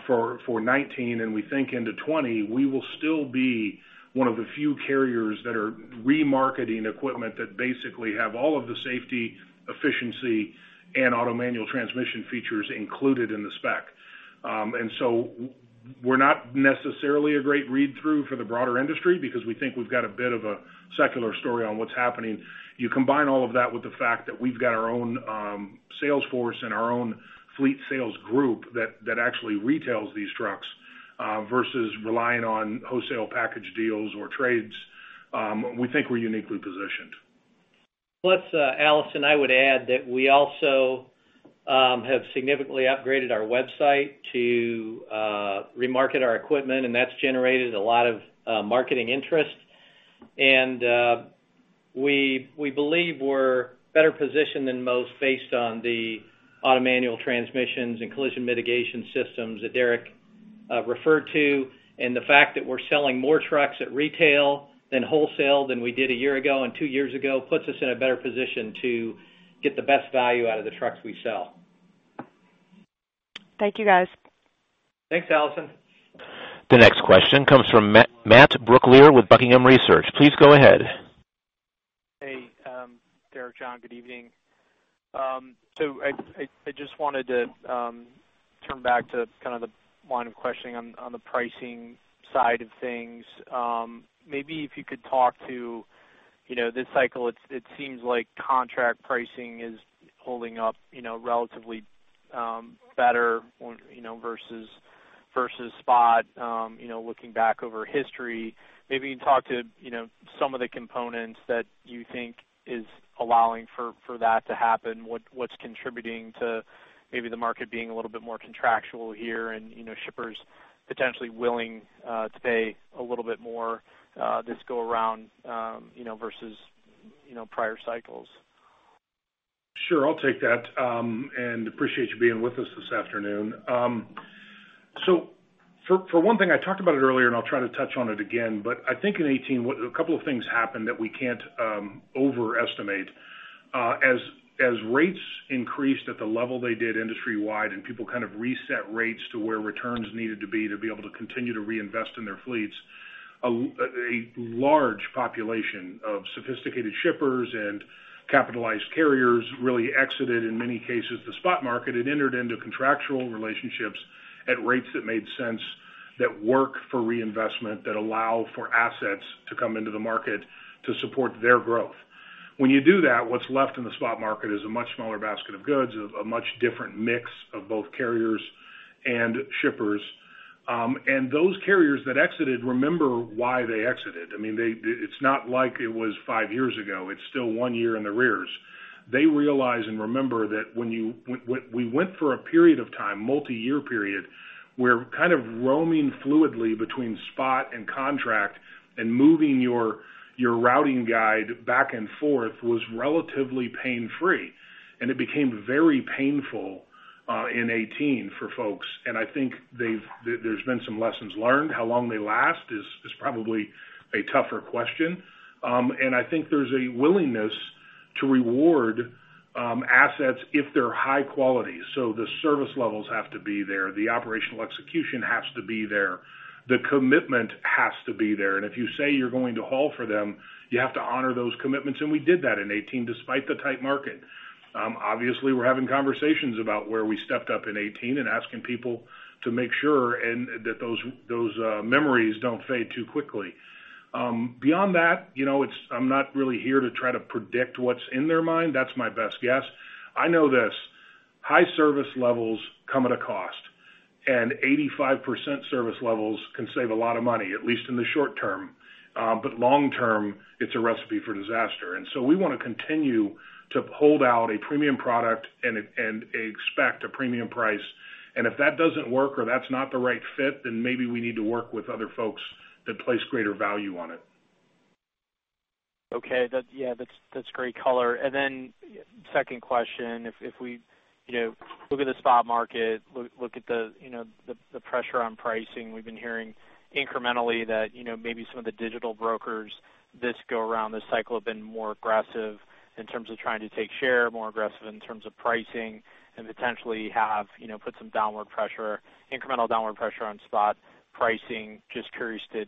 Speaker 2: for 2019 and we think into 2020, we will still be one of the few carriers that are remarketing equipment that basically have all of the safety, efficiency, and automated manual transmissions features included in the spec. And so we're not necessarily a great read-through for the broader industry because we think we've got a bit of a secular story on what's happening. You combine all of that with the fact that we've got our own sales force and our own Fleet Sales group that actually retails these trucks, versus relying on wholesale package deals or trades. We think we're uniquely-positioned.
Speaker 3: Plus, Allison, I would add that we also have significantly upgraded our website to remarket our equipment, and that's generated a lot of marketing interest. We believe we're better positioned than most based on the automated manual transmissions and collision mitigation systems that Derek referred to. The fact that we're selling more trucks at retail than wholesale than we did a year ago and two years ago puts us in a better position to get the best value out of the trucks we sell.
Speaker 8: Thank you, guys.
Speaker 3: Thanks, Allison.
Speaker 1: The next question comes from Matt Brooklier with Buckingham Research. Please go ahead.
Speaker 9: Hey, Derek, John, good evening. I just wanted to turn back to the line of questioning on the pricing side of things. Maybe if you could talk to this cycle, it seems like contract pricing is holding up relatively better versus spot looking back over history. Maybe you can talk to some of the components that you think is allowing for that to happen. What's contributing to maybe the market being a little bit more contractual here and shippers potentially willing to pay a little bit more this go-around versus prior cycles?
Speaker 2: Sure. I'll take that, and appreciate you being with us this afternoon. For one thing, I talked about it earlier, and I'll try to touch on it again, but I think in 2018, a couple of things happened that we can't overestimate. As rates increased at the level they did industry-wide and people kind of reset rates to where returns needed to be to be able to continue to reinvest in their fleets, a large population of sophisticated shippers and capitalized carriers really exited, in many cases, the spot market and entered into contractual relationships at rates that made sense, that work for reinvestment, that allow for assets to come into the market to support their growth. When you do that, what's left in the spot market is a much smaller basket of goods, a much different mix of both carriers and shippers. And those carriers that exited remember why they exited. It's not like it was five years ago. It's still one year in the arrears. They realize and remember that when we went for a period of time, multi-year period, where kind of roaming fluidly between spot and contract and moving your routing guide back and forth was relatively pain-free and it became very painful in 2018 for folks and I think there's been some lessons learned. How long they last is probably a tougher question. I think there's a willingness to reward assets if they're high quality. The service levels have to be there, the operational execution has to be there, the commitment has to be there. And if you say you're going to haul for them, you have to honor those commitments. We did that in 2018, despite the tight market. Obviously, we're having conversations about where we stepped up in 2018 and asking people to make sure, and that those memories don't fade too quickly. Beyond that, I'm not really here to try to predict what's in their mind. That's my best guess. I know this. High service levels come at a cost, and 85% service levels can save a lot of money, at least in the short term. Long term, it's a recipe for disaster and so we want to continue to hold out a premium product and expect a premium price. If that doesn't work or that's not the right fit, then maybe we need to work with other folks that place greater value on it.
Speaker 9: Okay. Yeah, that's great color. And then second question, if we look at the spot market, look at the pressure on pricing, we've been hearing incrementally that maybe some of the digital brokers this go-around, this cycle, have been more aggressive in terms of trying to take share, more aggressive in terms of pricing, and potentially have put some incremental downward pressure on spot pricing. Just curious to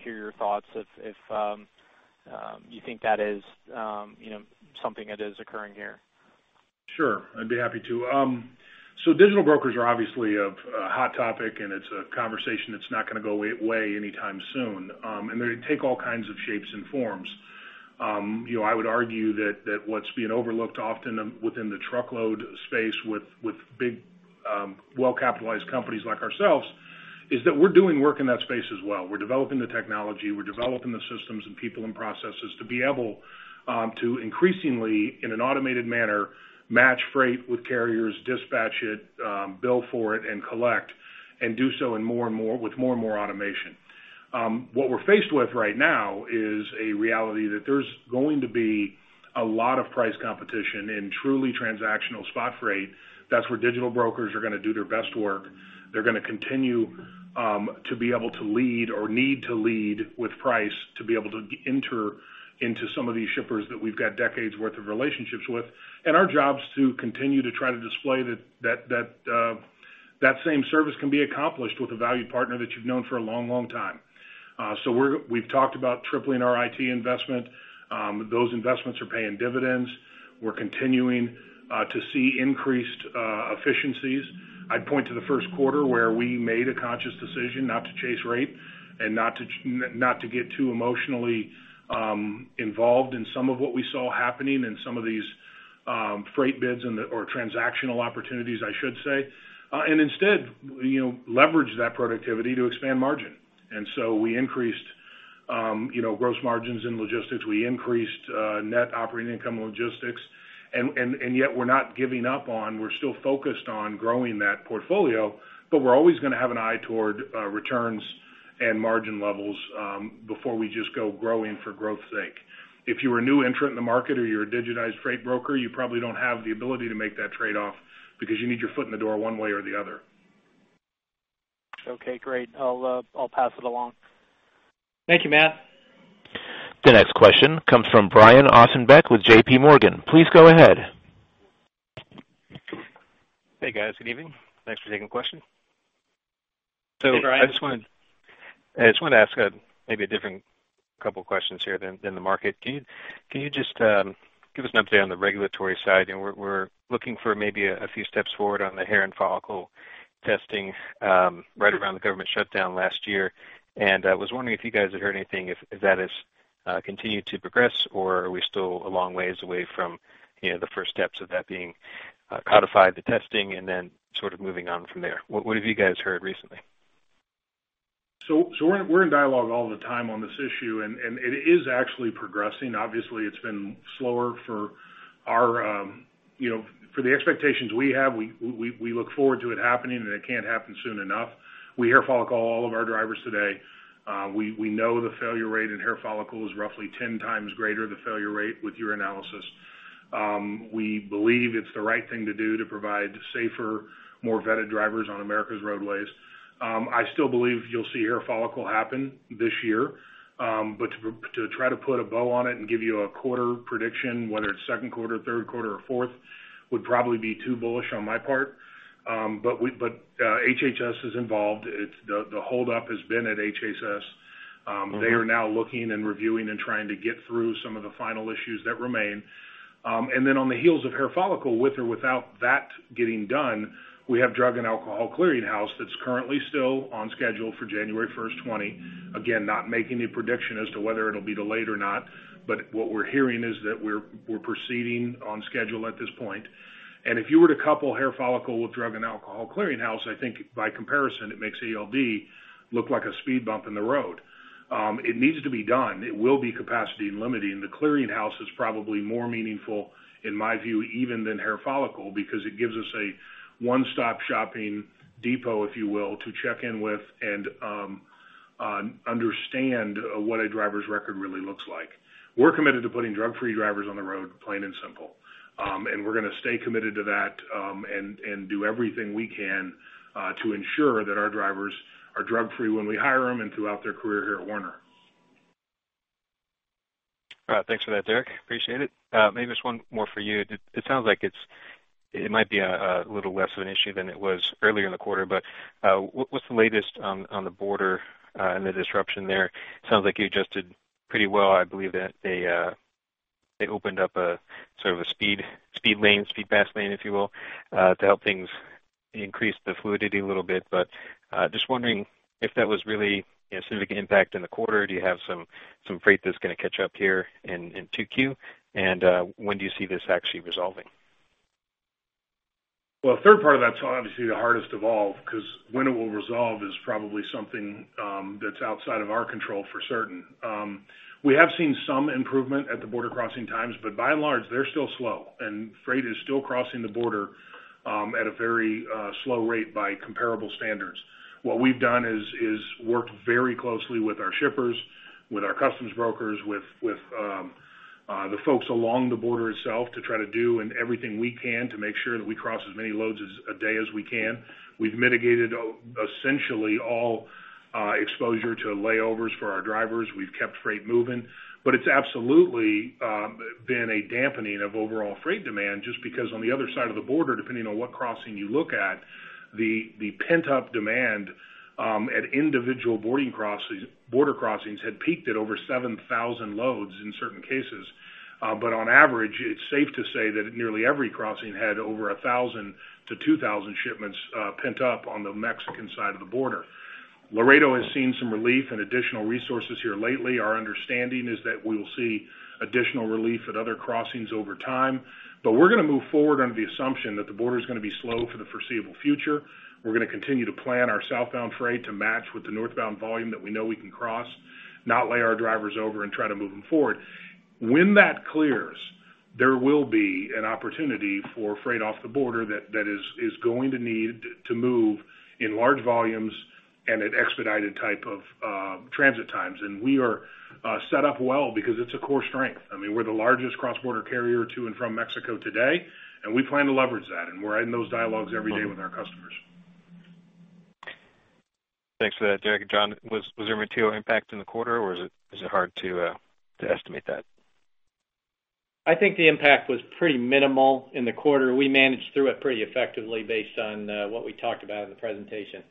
Speaker 9: hear your thoughts if you think that is something that is occurring here.
Speaker 2: Sure. I'd be happy to. Digital brokers are obviously a hot topic, and it's a conversation that's not going to go away anytime soon and they take all kinds of shapes and forms. I would argue that what's being overlooked often within the truckload space with big, well-capitalized companies like ourselves is that we're doing work in that space as well. We're developing the technology, we're developing the systems and people and processes to be able to increasingly, in an automated manner, match freight with carriers, dispatch it, bill for it, and collect, and do so with more and more automation. What we're faced with right now is a reality that there's going to be a lot of price competition in truly transactional spot freight. That's where digital brokers are going to do their best work. They're going to continue to be able to lead or need to lead with price to be able to enter into some of these shippers that we've got decades worth of relationships with and our job is to continue to try to display that same service can be accomplished with a valued partner that you've known for a long time. We've talked about tripling our IT investment. Those investments are paying dividends. We're continuing to see increased efficiencies. I'd point to the first quarter where we made a conscious decision not to chase rate and not to get too emotionally involved in some of what we saw happening in some of these freight bids or transactional opportunities, I should say. Instead, leverage that productivity to expand margin and so e increased gross margins in Logistics. We increased net operating income Logistics, and yet we're not giving up on, we're still focused on growing that portfolio, but we're always going to have an eye toward returns and margin levels before we just go growing for growth's sake. If you are a new entrant in the market or you're a digitized freight broker, you probably don't have the ability to make that trade-off because you need your foot in the door one way or the other.
Speaker 9: Okay, great. I'll pass it along.
Speaker 2: Thank you, Matt.
Speaker 1: The next question comes from Brian Ossenbeck with JPMorgan. Please go ahead.
Speaker 10: Hey, guys. Good evening. Thanks for taking the question.
Speaker 2: Hey, Brian.
Speaker 10: I just wanted to ask maybe a different couple questions here than the market. Can you just give us an update on the regulatory side? We're looking for maybe a few steps forward on the hair follicle testing, right around the government shutdown last year. I was wondering if you guys had heard anything, if that has continued to progress, or are we still a long ways away from the first steps of that being codified, the testing, and then sort of moving on from there. What have you guys heard recently?
Speaker 2: We're in dialogue all the time on this issue, and it is actually progressing. Obviously, it's been slower. For the expectations we have, we look forward to it happening, it can't happen soon enough. We hair follicle all of our drivers today. We know the failure rate in hair follicle is roughly 10 times greater the failure rate with urinalysis. We believe it's the right thing to do to provide safer, more vetted drivers on America's roadways. I still believe you'll see hair follicle happen this year. To try to put a bow on it and give you a quarter prediction, whether it's second quarter, third quarter, or fourth, would probably be too bullish on my part. HHS is involved. The hold up has been at HHS. They are now looking and reviewing and trying to get through some of the final issues that remain. And then on the heels of hair follicle, with or without that getting done, we have Drug & Alcohol Clearinghouse that's currently still on schedule for January 1st, 2020. Again, not making any prediction as to whether it'll be delayed or not. What we're hearing is that we're proceeding on schedule at this point. If you were to couple hair follicle with Drug & Alcohol Clearinghouse, I think by comparison, it makes ELD look like a speed bump in the road. It needs to be done. It will be capacity limiting. The Clearinghouse is probably more meaningful, in my view, even than hair follicle, because it gives us a one-stop shopping depot, if you will, to check in with and understand what a driver's record really looks like. We're committed to putting drug-free drivers on the road, plain and simple. We're going to stay committed to that, and do everything we can to ensure that our drivers are drug-free when we hire them and throughout their career here at Werner.
Speaker 10: All right. Thanks for that, Derek. Appreciate it. Maybe just one more for you. It sounds like it might be a little less of an issue than it was earlier in the quarter, but what's the latest on the border, the disruption there? Sounds like you adjusted pretty well. I believe that they opened up sort of a speed lane, speed pass lane, if you will, to help things increase the fluidity a little bit. Just wondering if that was really a significant impact in the quarter. Do you have some freight that's going to catch up here in 2Q and when do you see this actually resolving?
Speaker 2: Third part of that's obviously the hardest of all, because when it will resolve is probably something that's outside of our control for certain. We have seen some improvement at the border crossing times, but by and large, they're still slow, and freight is still crossing the border at a very slow rate by comparable standards. What we've done is worked very closely with our shippers, with our customs brokers, with the folks along the border itself to try to do everything we can to make sure that we cross as many loads a day as we can. We've mitigated essentially all exposure to layovers for our drivers. We've kept freight moving. It's absolutely been a dampening of overall freight demand just because on the other side of the border, depending on what crossing you look at, the pent-up demand at individual border crossings had peaked at over 7,000 loads in certain cases. On average, it's safe to say that nearly every crossing had over 1,000-2,000 shipments pent up on the Mexican side of the border. Laredo has seen some relief and additional resources here lately. Our understanding is that we will see additional relief at other crossings over time but we're going to move forward under the assumption that the border is going to be slow for the foreseeable future. We're going to continue to plan our southbound freight to match with the northbound volume that we know we can cross, not lay our drivers over and try to move them forward. When that clears, there will be an opportunity for freight off the border that is going to need to move in large volumes and at expedited type of transit times. We are set up well because it's a core strength. We're the largest cross-border carrier to and from Mexico today, and we plan to leverage that, and we're in those dialogues every day with our customers.
Speaker 10: Thanks for that, Derek. John, was there material impact in the quarter, or is it hard to estimate that?
Speaker 3: I think the impact was pretty minimal in the quarter. We managed through it pretty effectively based on what we talked about in the presentation.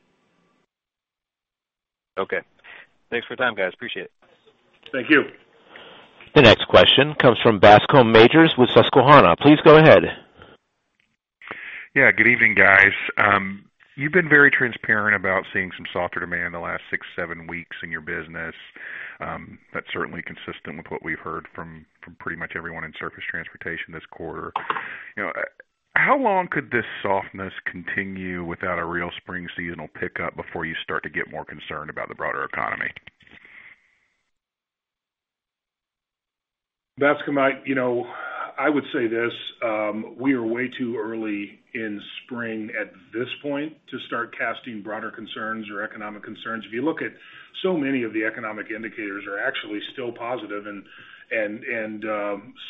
Speaker 10: Okay. Thanks for your time, guys. Appreciate it.
Speaker 2: Thank you.
Speaker 1: The next question comes from Bascome Majors with Susquehanna. Please go ahead.
Speaker 11: Good evening, guys. You've been very transparent about seeing some softer demand in the last six, seven weeks in your business. That's certainly consistent with what we've heard from pretty much everyone in surface transportation this quarter. How long could this softness continue without a real spring seasonal pickup before you start to get more concerned about the broader economy?
Speaker 2: Bascome, I would say this. We are way too early in spring at this point to start casting broader concerns or economic concerns. If you look at so many of the economic indicators are actually still positive, and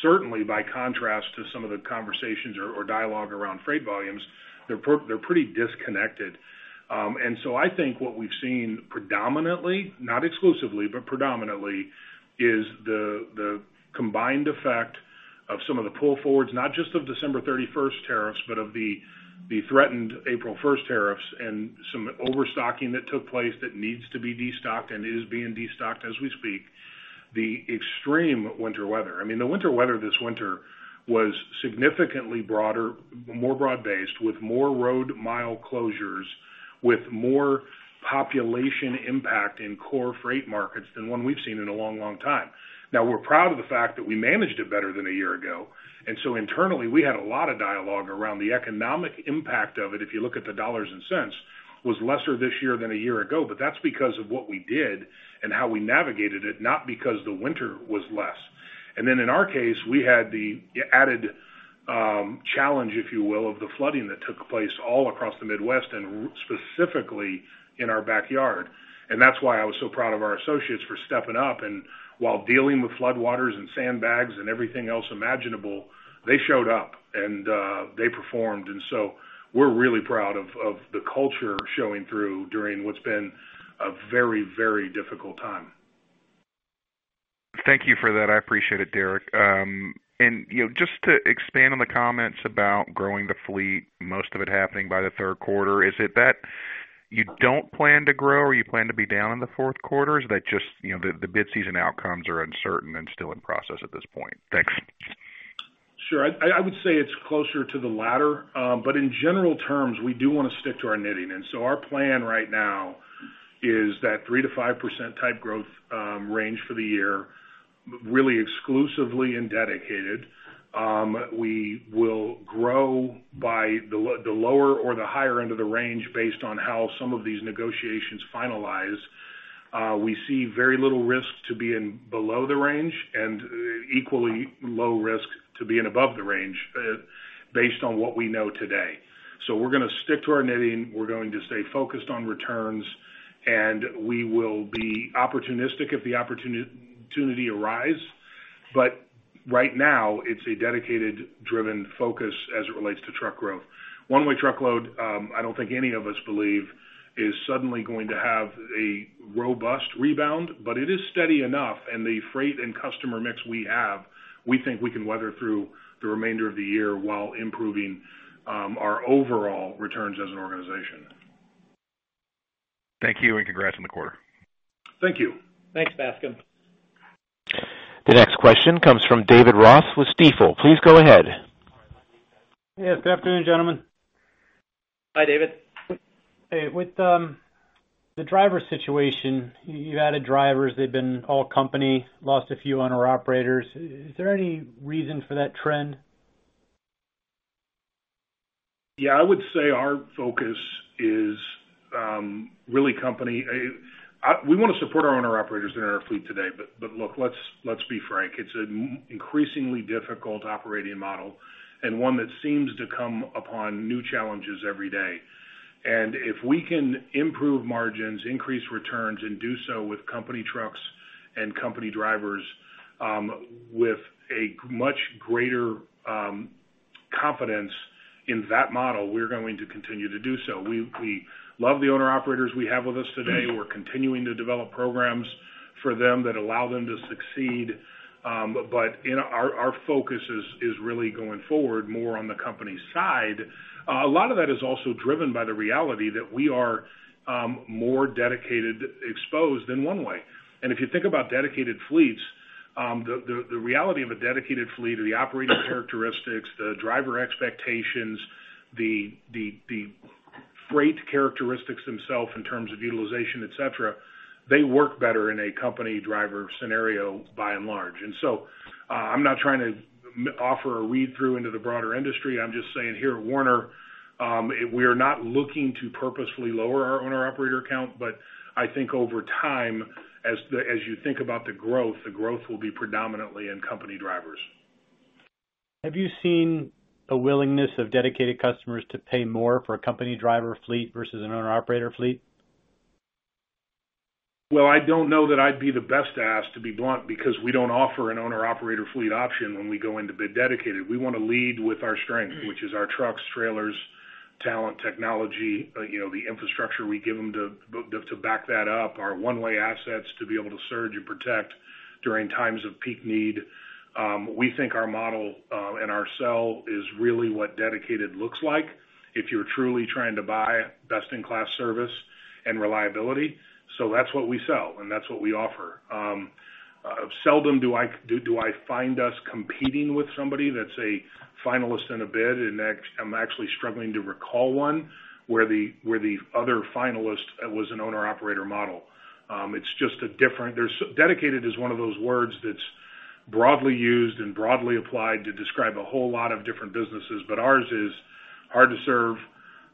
Speaker 2: certainly by contrast to some of the conversations or dialogue around freight volumes, they're pretty disconnected. And so I think what we've seen predominantly, not exclusively, but predominantly, is the combined effect of some of the pull forwards, not just of December 31st tariffs, but of the threatened April 1st tariffs and some overstocking that took place that needs to be destocked and is being destocked as we speak. The extreme winter weather. The winter weather this winter was significantly broader, more broad-based, with more road mile closures, with more population impact in core freight markets than one we've seen in a long time. Now, we're proud of the fact that we managed it better than a year ago, and so internally, we had a lot of dialogue around the economic impact of it, if you look at the dollars and cents, was lesser this year than a year ago, but that's because of what we did and how we navigated it, not because the winter was less. And then in our case, we had the added challenge, if you will, of the flooding that took place all across the Midwest and specifically in our backyard. That's why I was so proud of our associates for stepping up, and while dealing with floodwaters and sandbags and everything else imaginable, they showed up, and they performed. We're really proud of the culture showing through during what's been a very difficult time.
Speaker 11: Thank you for that. I appreciate it, Derek. Just to expand on the comments about growing the fleet, most of it happening by the third quarter, is it that you don't plan to grow, or you plan to be down in the fourth quarter? Is that just the bid season outcomes are uncertain and still in process at this point? Thanks.
Speaker 2: Sure. I would say it's closer to the latter. In general terms, we do want to stick to our knitting. Our plan right now is that 3%-5% type growth range for the year, really exclusively in dedicated. We will grow by the lower or the higher end of the range based on how some of these negotiations finalize. We see very little risk to being below the range and equally low risk to being above the range based on what we know today. We're going to stick to our knitting. We're going to stay focused on returns, and we will be opportunistic if the opportunity arises but right now, it's a dedicated, driven focus as it relates to truck growth. One-way truckload, I don't think any of us believe is suddenly going to have a robust rebound. It is steady enough, and the freight and customer mix we have, we think we can weather through the remainder of the year while improving our overall returns as an organization.
Speaker 11: Thank you. And congrats on the quarter.
Speaker 2: Thank you.
Speaker 3: Thanks, Bascome.
Speaker 1: The next question comes from David Ross with Stifel. Please go ahead.
Speaker 12: Yes, good afternoon, gentlemen.
Speaker 3: Hi, David.
Speaker 12: Hey, with the driver situation, you added drivers, they've been all company, lost a few owner-operators. Is there any reason for that trend?
Speaker 2: Yeah, I would say our focus is really company. We want to support our owner-operators that are in our fleet today. Look, let's be frank, it's an increasingly difficult operating model and one that seems to come upon new challenges every day. If we can improve margins, increase returns, and do so with company trucks and company drivers with a much greater confidence in that model, we're going to continue to do so. We love the owner-operators we have with us today. We're continuing to develop programs for them that allow them to succeed. Our focus is really going forward more on the company side. A lot of that is also driven by the reality that we are more dedicated, exposed in one way. If you think about dedicated fleets, the reality of a dedicated fleet are the operating characteristics, the driver expectations, the freight characteristics themselves in terms of utilization, etc., they work better in a company driver scenario by and large. I'm not trying to offer a read-through into the broader industry. I'm just saying here at Werner, we are not looking to purposefully lower our owner-operator count, but I think over time, as you think about the growth, the growth will be predominantly in company drivers.
Speaker 12: Have you seen a willingness of dedicated customers to pay more for a company driver fleet versus an owner-operator fleet?
Speaker 2: Well, I don't know that I'd be the best to ask, to be blunt, because we don't offer an owner-operator fleet option when we go in to bid dedicated. We want to lead with our strength, which is our Trucks, Trailers, Talent, Technology, the infrastructure we give them to back that up, our one-way assets to be able to surge and protect during times of peak need. We think our model and our sell is really what dedicated looks like if you're truly trying to buy best-in-class service and reliability. That's what we sell, and that's what we offer. Seldom do I find us competing with somebody that's a finalist in a bid, and I'm actually struggling to recall one where the other finalist was an owner-operator model. Dedicated is one of those words that's broadly used and broadly applied to describe a whole lot of different businesses, but ours is hard to serve,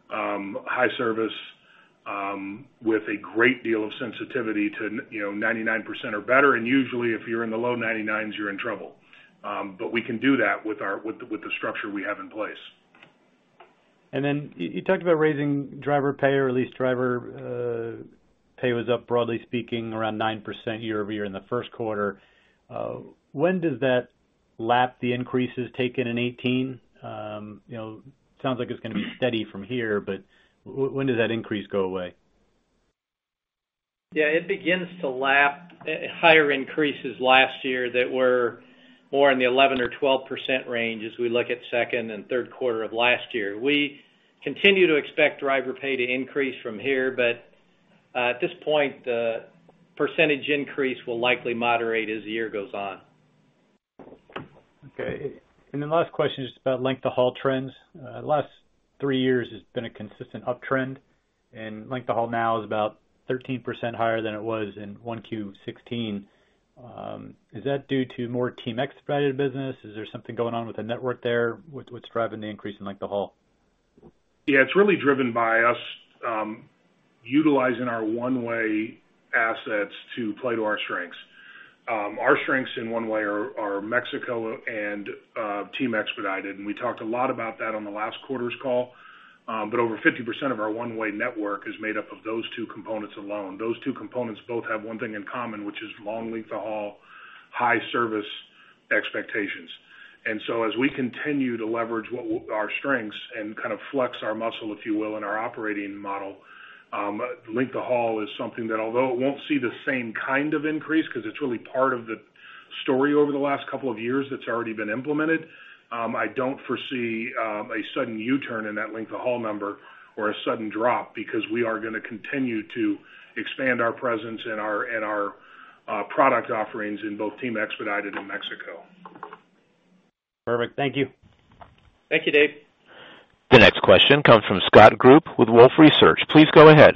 Speaker 2: high service, with a great deal of sensitivity to 99% or better. Usually, if you're in the low 99s, you're in trouble but we can do that with the structure we have in place.
Speaker 12: And then you talked about raising driver pay, or at least driver pay was up, broadly speaking, around 9% year-over-year in the first quarter. When does that lap the increases taken in 2018? Sounds like it's going to be steady from here, but when does that increase go away?
Speaker 3: Yeah. It begins to lap higher increases last year that were more in the 11% or 12% range as we look at second and third quarter of last year. We continue to expect driver pay to increase from here, but at this point, the percentage increase will likely moderate as the year goes on.
Speaker 12: Okay. And then last question is just about length of haul trends. Last three years has been a consistent uptrend, length of haul now is about 13% higher than it was in 1Q 2016. Is that due to more Team Expedited business? Is there something going on with the network there? What's driving the increase in length of haul?
Speaker 2: Yeah. It's really driven by us utilizing our one-way assets to play to our strengths. Our strengths in one-way are Mexico and Team Expedited, we talked a lot about that on the last quarter's call. Over 50% of our one-way network is made up of those two components alone. Those two components both have one thing in common, which is long length of haul, high service expectations. As we continue to leverage our strengths and kind of flex our muscle, if you will, in our operating model, length of haul is something that, although it won't see the same kind of increase because it's really part of the story over the last couple of years that's already been implemented, I don't foresee a sudden U-turn in that length of haul number or a sudden drop because we are going to continue to expand our presence and our product offerings in both Team Expedited and Mexico.
Speaker 12: Perfect. Thank you.
Speaker 3: Thank you, Dave.
Speaker 1: The next question comes from Scott Group with Wolfe Research. Please go ahead.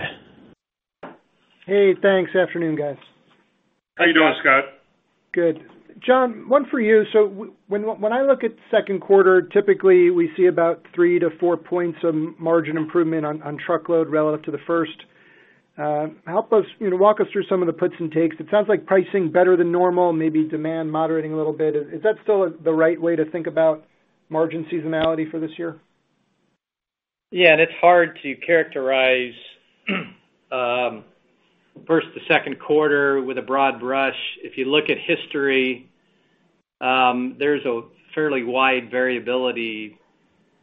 Speaker 13: Hey, thanks. Afternoon, guys.
Speaker 2: How you doing, Scott?
Speaker 13: Good. John, one for you. When I look at second quarter, typically we see about 3 to 4 points of margin improvement on truckload relative to the first. Walk us through some of the puts and takes. It sounds like pricing better than normal, maybe demand moderating a little bit. Is that still the right way to think about margin seasonality for this year?
Speaker 3: Yeah and it's hard to characterize first to second quarter with a broad brush. If you look at history, there's a fairly wide variability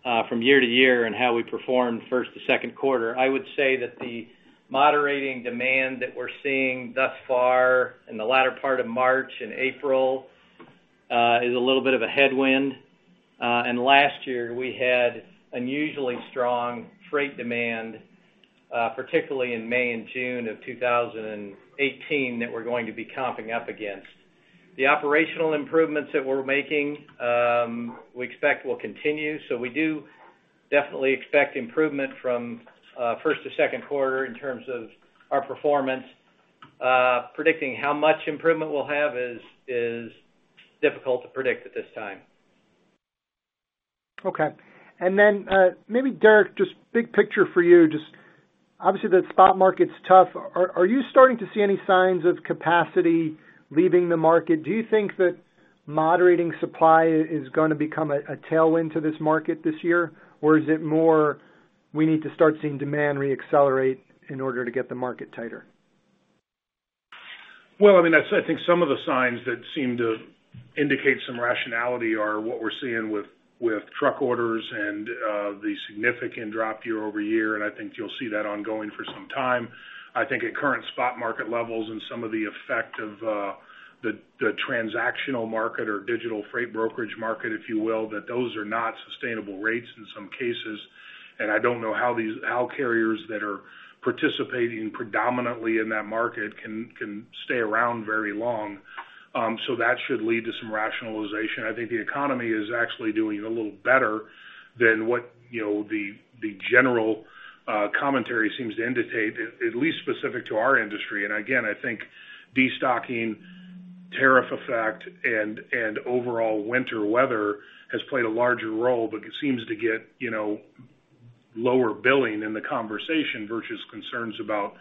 Speaker 3: from year-to-year in how we perform first to second quarter. I would say that the moderating demand that we're seeing thus far in the latter part of March and April is a little bit of a headwind. Last year, we had unusually strong freight demand, particularly in May and June of 2018, that we're going to be comping up against. The operational improvements that we're making we expect will continue so we do definitely expect improvement from first to second quarter in terms of our performance. Predicting how much improvement we'll have is difficult to predict at this time.
Speaker 13: Okay. And then maybe, Derek, just big picture for you. Obviously, the spot market's tough. Are you starting to see any signs of capacity leaving the market? Do you think that moderating supply is going to become a tailwind to this market this year or Iis it more we need to start seeing demand re-accelerate in order to get the market tighte
Speaker 2: Well, I think some of the signs that seem to indicate some rationality are what we're seeing with truck orders and the significant drop year-over-year, I think you'll see that ongoing for some time. I think at current spot market levels and some of the effect of the transactional market or digital freight brokerage market, if you will, that those are not sustainable rates in some cases. I don't know how carriers that are participating predominantly in that market can stay around very long so that should lead to some rationalization. I think the economy is actually doing a little better than what the general commentary seems to indicate, at least specific to our industry. And again, I think destocking, tariff effect, and overall winter weather has played a larger role, but it seems to lower billing in the conversation versus concerns about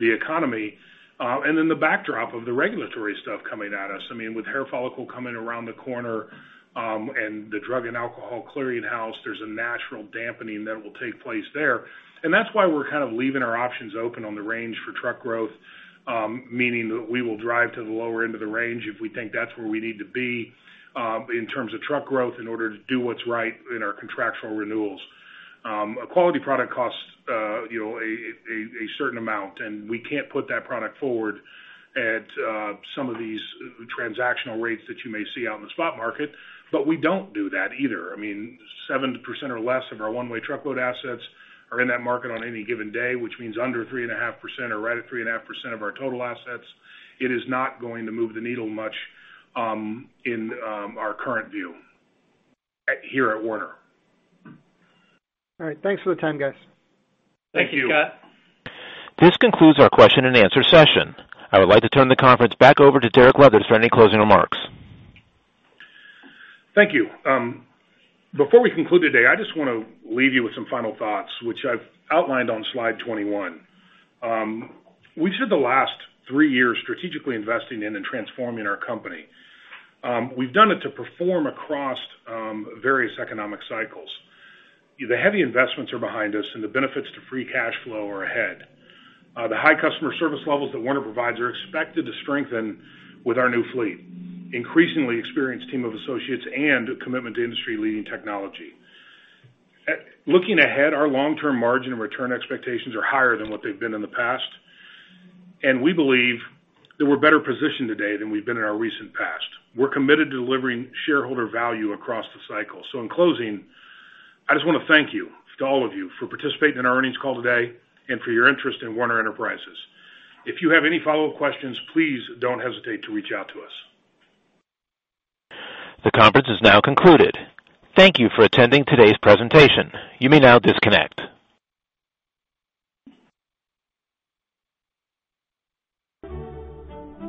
Speaker 2: the economy, the backdrop of the regulatory stuff coming at us. With hair follicle coming around the corner, and the Drug & Alcohol Clearinghouse, there's a natural dampening that will take place there. That's why we're kind of leaving our options open on the range for truck growth, meaning that we will drive to the lower end of the range if we think that's where we need to be, in terms of truck growth, in order to do what's right in our contractual renewals. A quality product costs a certain amount, and we can't put that product forward at some of these transactional rates that you may see out in the spot market, but we don't do that either. 7% or less of our one-way truckload assets are in that market on any given day, which means under 3.5% or right at 3.5% of our total assets. It is not going to move the needle much in our current view here at Werner.
Speaker 13: All right. Thanks for the time, guys.
Speaker 2: Thank you.
Speaker 3: Thank you, Scott.
Speaker 1: This concludes our question and answer session. I would like to turn the conference back over to Derek Leathers for any closing remarks.
Speaker 2: Thank you. Before we conclude today, I just want to leave you with some final thoughts, which I've outlined on slide 21. We've spent the last three years strategically investing in and transforming our company. We've done it to perform across various economic cycles. The heavy investments are behind us, and the benefits to free cash flow are ahead. The high customer service levels that Werner provides are expected to strengthen with our new fleet, increasingly experienced team of associates, and a commitment to industry-leading technology. Looking ahead, our long-term margin and return expectations are higher than what they've been in the past, and we believe that we're better positioned today than we've been in our recent past. We're committed to delivering shareholder value across the cycle. In closing, I just want to thank you, to all of you, for participating in our earnings call today and for your interest in Werner Enterprises. If you have any follow-up questions, please don't hesitate to reach out to us.
Speaker 1: The conference is now concluded. Thank you for attending today's presentation. You may now disconnect.